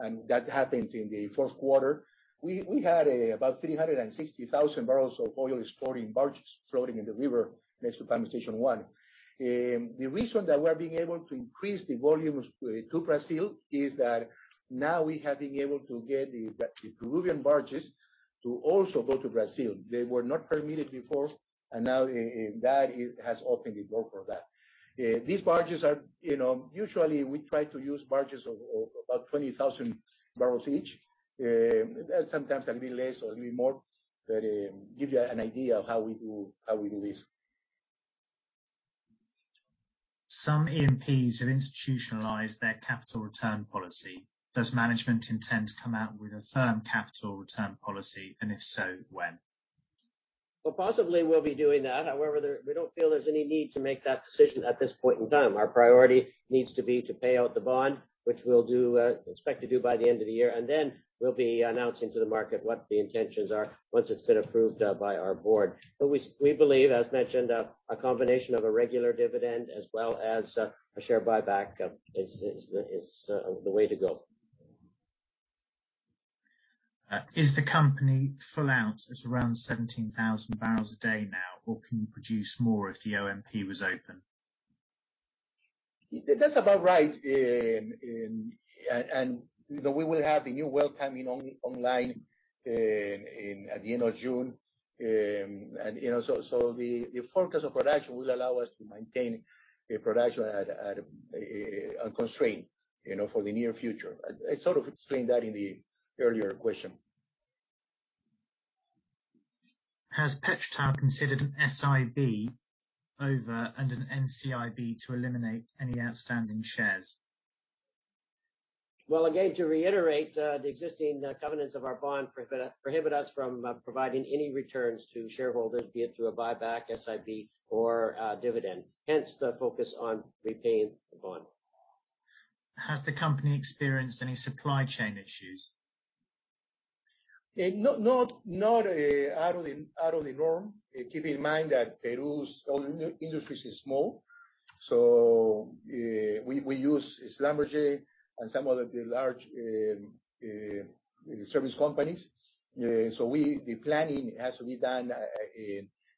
and that happens in the fourth quarter, we had about 360,000 barrels of oil stored in barges floating in the river next to Pump Station One. The reason that we're being able to increase the volumes to Brazil is that now we have been able to get the Peruvian barges to also go to Brazil. They were not permitted before, and now that has opened the door for that. These barges are, you know, usually we try to use barges of about 20,000 barrels each. Sometimes a little bit less or a little bit more, but give you an idea of how we do this. Some E&Ps have institutionalized their capital return policy. Does management intend to come out with a firm capital return policy? If so, when? Well, possibly we'll be doing that. However, we don't feel there's any need to make that decision at this point in time. Our priority needs to be to pay out the bond, which we'll do, expect to do by the end of the year. We'll be announcing to the market what the intentions are once it's been approved, by our board. We believe, as mentioned, a combination of a regular dividend as well as, a share buyback, is the way to go. Is the company full out? It's around 17,000 barrels a day now, or can you produce more if the OMP was open? That's about right. We will have the new well coming on online at the end of June. You know, the forecast of production will allow us to maintain the production at unconstrained, you know, for the near future. I sort of explained that in the earlier question. Has PetroTal considered an SIB over an NCIB to eliminate any outstanding shares? Well, again, to reiterate, the existing covenants of our bond prohibit us from providing any returns to shareholders, be it through a buyback, SIB, or a dividend, hence the focus on repaying the bond. Has the company experienced any supply chain issues? Not out of the norm. Keep in mind that Peru's oil industry is small. We use Schlumberger and some of the other large service companies. The planning has to be done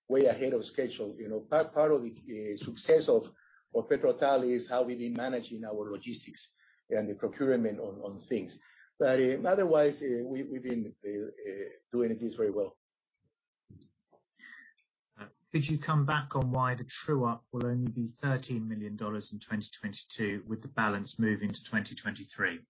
way ahead of schedule. You know, part of the success of PetroTal is how we've been managing our logistics and the procurement of things. Otherwise, we've been doing this very well. Could you come back on why the true-up will only be $13 million in 2022, with the balance moving to 2023?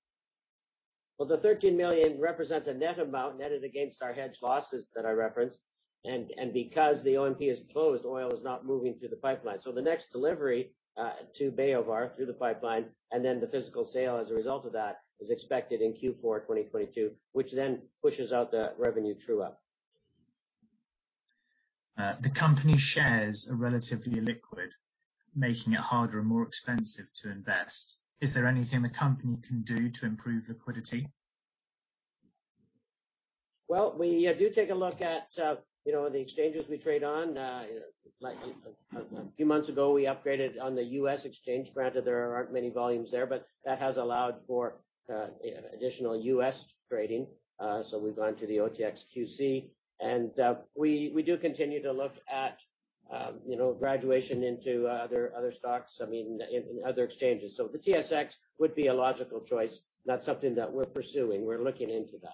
Well, the $13 million represents a net amount, netted against our hedge losses that I referenced. Because the OMP is closed, oil is not moving through the pipeline. The next delivery to Bayóvar through the pipeline, and then the physical sale as a result of that, is expected in Q4 2022, which then pushes out the revenue true-up. The company shares are relatively illiquid, making it harder and more expensive to invest. Is there anything the company can do to improve liquidity? Well, we do take a look at, you know, the exchanges we trade on. Like a few months ago, we upgraded on the US exchange. Granted, there aren't many volumes there, but that has allowed for additional US trading. We've gone to the OTCQX. We do continue to look at, you know, graduation into other stocks, I mean, in other exchanges. The TSX would be a logical choice. That's something that we're pursuing. We're looking into that.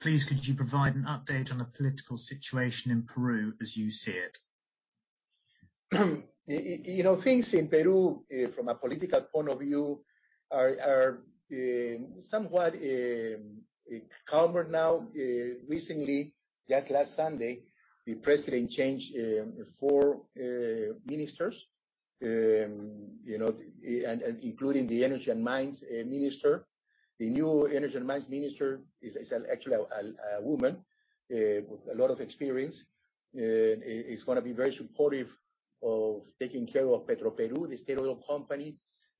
Please could you provide an update on the political situation in Peru as you see it? You know, things in Peru from a political point of view are somewhat calmer now. Recently, just last Sunday, the president changed 4 ministers. You know, and including the Energy and Mines Minister. The new Energy and Mines Minister is actually a woman with a lot of experience, is going to be very supportive of taking care of Petroperú, the state oil company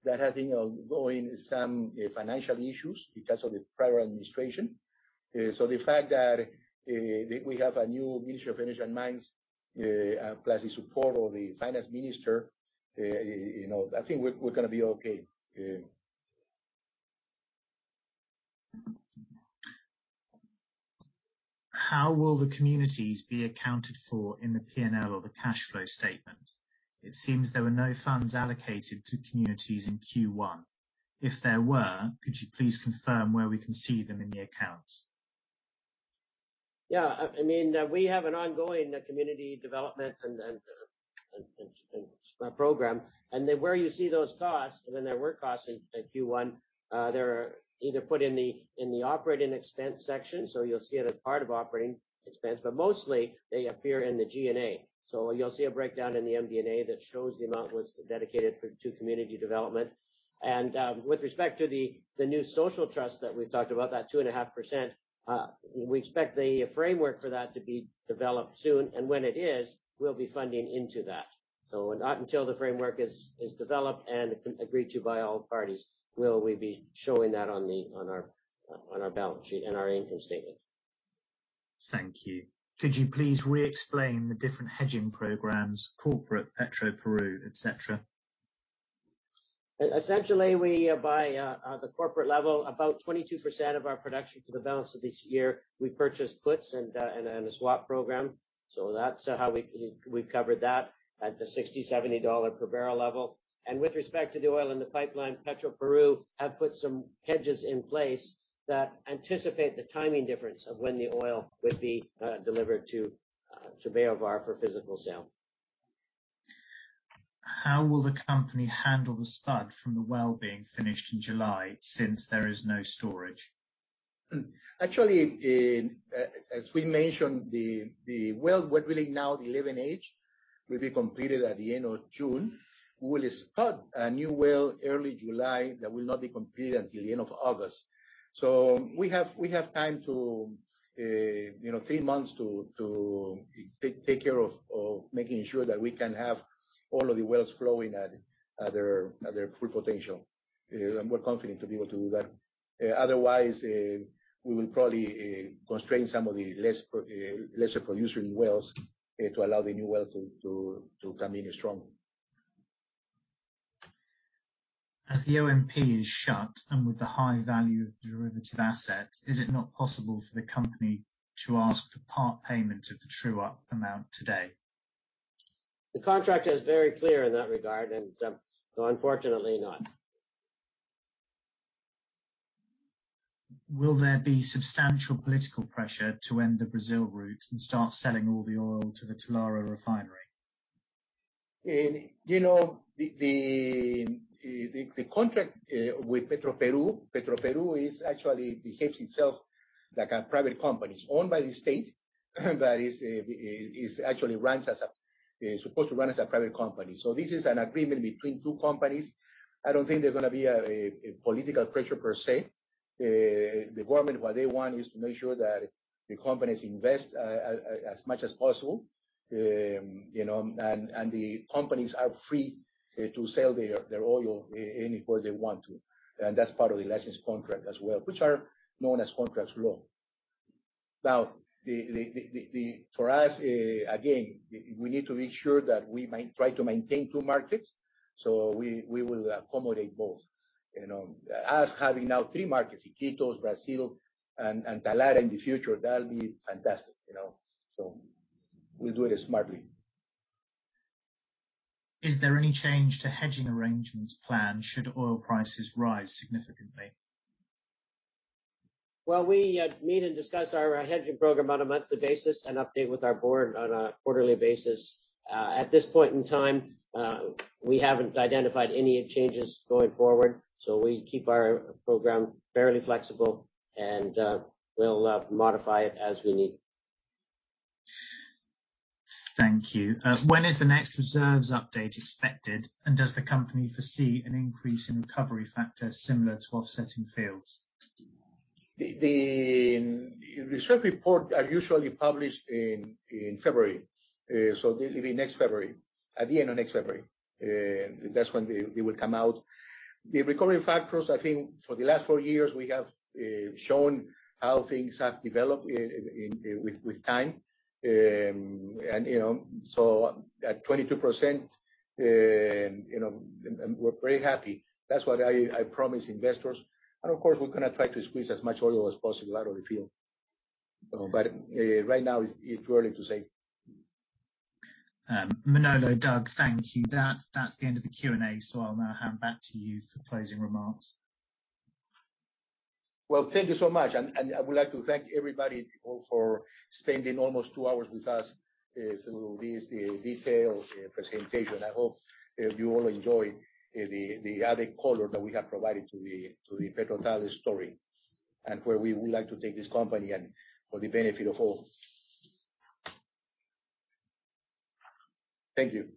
that has been having some financial issues because of the prior administration. The fact that we have a new Minister of Energy and Mines, plus the support of the Finance Minister, you know, I think we're going to be okay. How will the communities be accounted for in the P&L or the cash flow statement? It seems there were no funds allocated to communities in Q1. If there were, could you please confirm where we can see them in the accounts? Yeah. I mean, we have an ongoing community development and program. Where you see those costs, there were costs in Q1. They're either put in the operating expense section, so you'll see it as part of operating expense. Mostly they appear in the G&A. You'll see a breakdown in the MD&A that shows the amount was dedicated to community development. With respect to the new social trust that we talked about, that 2.5%, we expect the framework for that to be developed soon. When it is, we'll be funding into that. Not until the framework is developed and agreed to by all parties, will we be showing that on our balance sheet and our income statement. Thank you. Could you please re-explain the different hedging programs, corporate Petroperú, et cetera? Essentially, we buy at the corporate level, about 22% of our production for the balance of this year, we purchased puts and a swap program. That's how we've covered that at the $60-$70 per barrel level. With respect to the oil in the pipeline, Petroperú has put some hedges in place that anticipate the timing difference of when the oil would be delivered to Bayóvar for physical sale. How will the company handle the spud from the well being finished in July since there is no storage? Actually, as we mentioned, the well we're drilling now, the 11H, will be completed at the end of June. We'll spud a new well early July that will not be completed until the end of August. We have time to, you know, 3 months to take care of making sure that we can have all of the wells flowing at their full potential. We're confident to be able to do that. Otherwise, we will probably constrain some of the lesser producing wells to allow the new wells to come in strong. As the OMP is shut and with the high value of the derivative assets, is it not possible for the company to ask for part payment of the true-up amount today? The contract is very clear in that regard, and, no, unfortunately not. Will there be substantial political pressure to end the Brazil route and start selling all the oil to the Talara refinery? You know, the contract with Petroperú. Petroperú actually behaves itself like a private company. It's owned by the state, but is actually supposed to run as a private company. This is an agreement between two companies. I don't think they're going to be a political pressure per se. The government, what they want is to make sure that the companies invest as much as possible. You know, the companies are free to sell their oil anywhere they want to. That's part of the license contract as well, which are known as contracts law. Now, for us, again, we need to make sure that we try to maintain two markets, so we will accommodate both. You know, us having now three markets, Iquitos, Brazil, and Talara in the future, that'll be fantastic, you know. We'll do it smartly. Is there any change to hedging arrangements planned should oil prices rise significantly? We meet and discuss our hedging program on a monthly basis and update with our board on a quarterly basis. At this point in time, we haven't identified any changes going forward, so we keep our program fairly flexible and we'll modify it as we need. Thank you. When is the next reserves update expected? Does the company foresee an increase in recovery factors similar to offsetting fields? The reserve report are usually published in February. It'll be next February. At the end of next February. That's when they will come out. The recovery factors, I think for the last four years we have shown how things have developed with time. You know, at 22%, you know, and we're very happy. That's what I promise investors. Of course, we're going to try to squeeze as much oil as possible out of the field. You know, but right now it's early to say. Manolo, Doug, thank you. That's the end of the Q&A, so I'll now hand back to you for closing remarks. Well, thank you so much. I would like to thank everybody all for spending almost two hours with us, through this, detailed, presentation. I hope, you all enjoyed, the added color that we have provided to the PetroTal story, and where we would like to take this company and for the benefit of all. Thank you.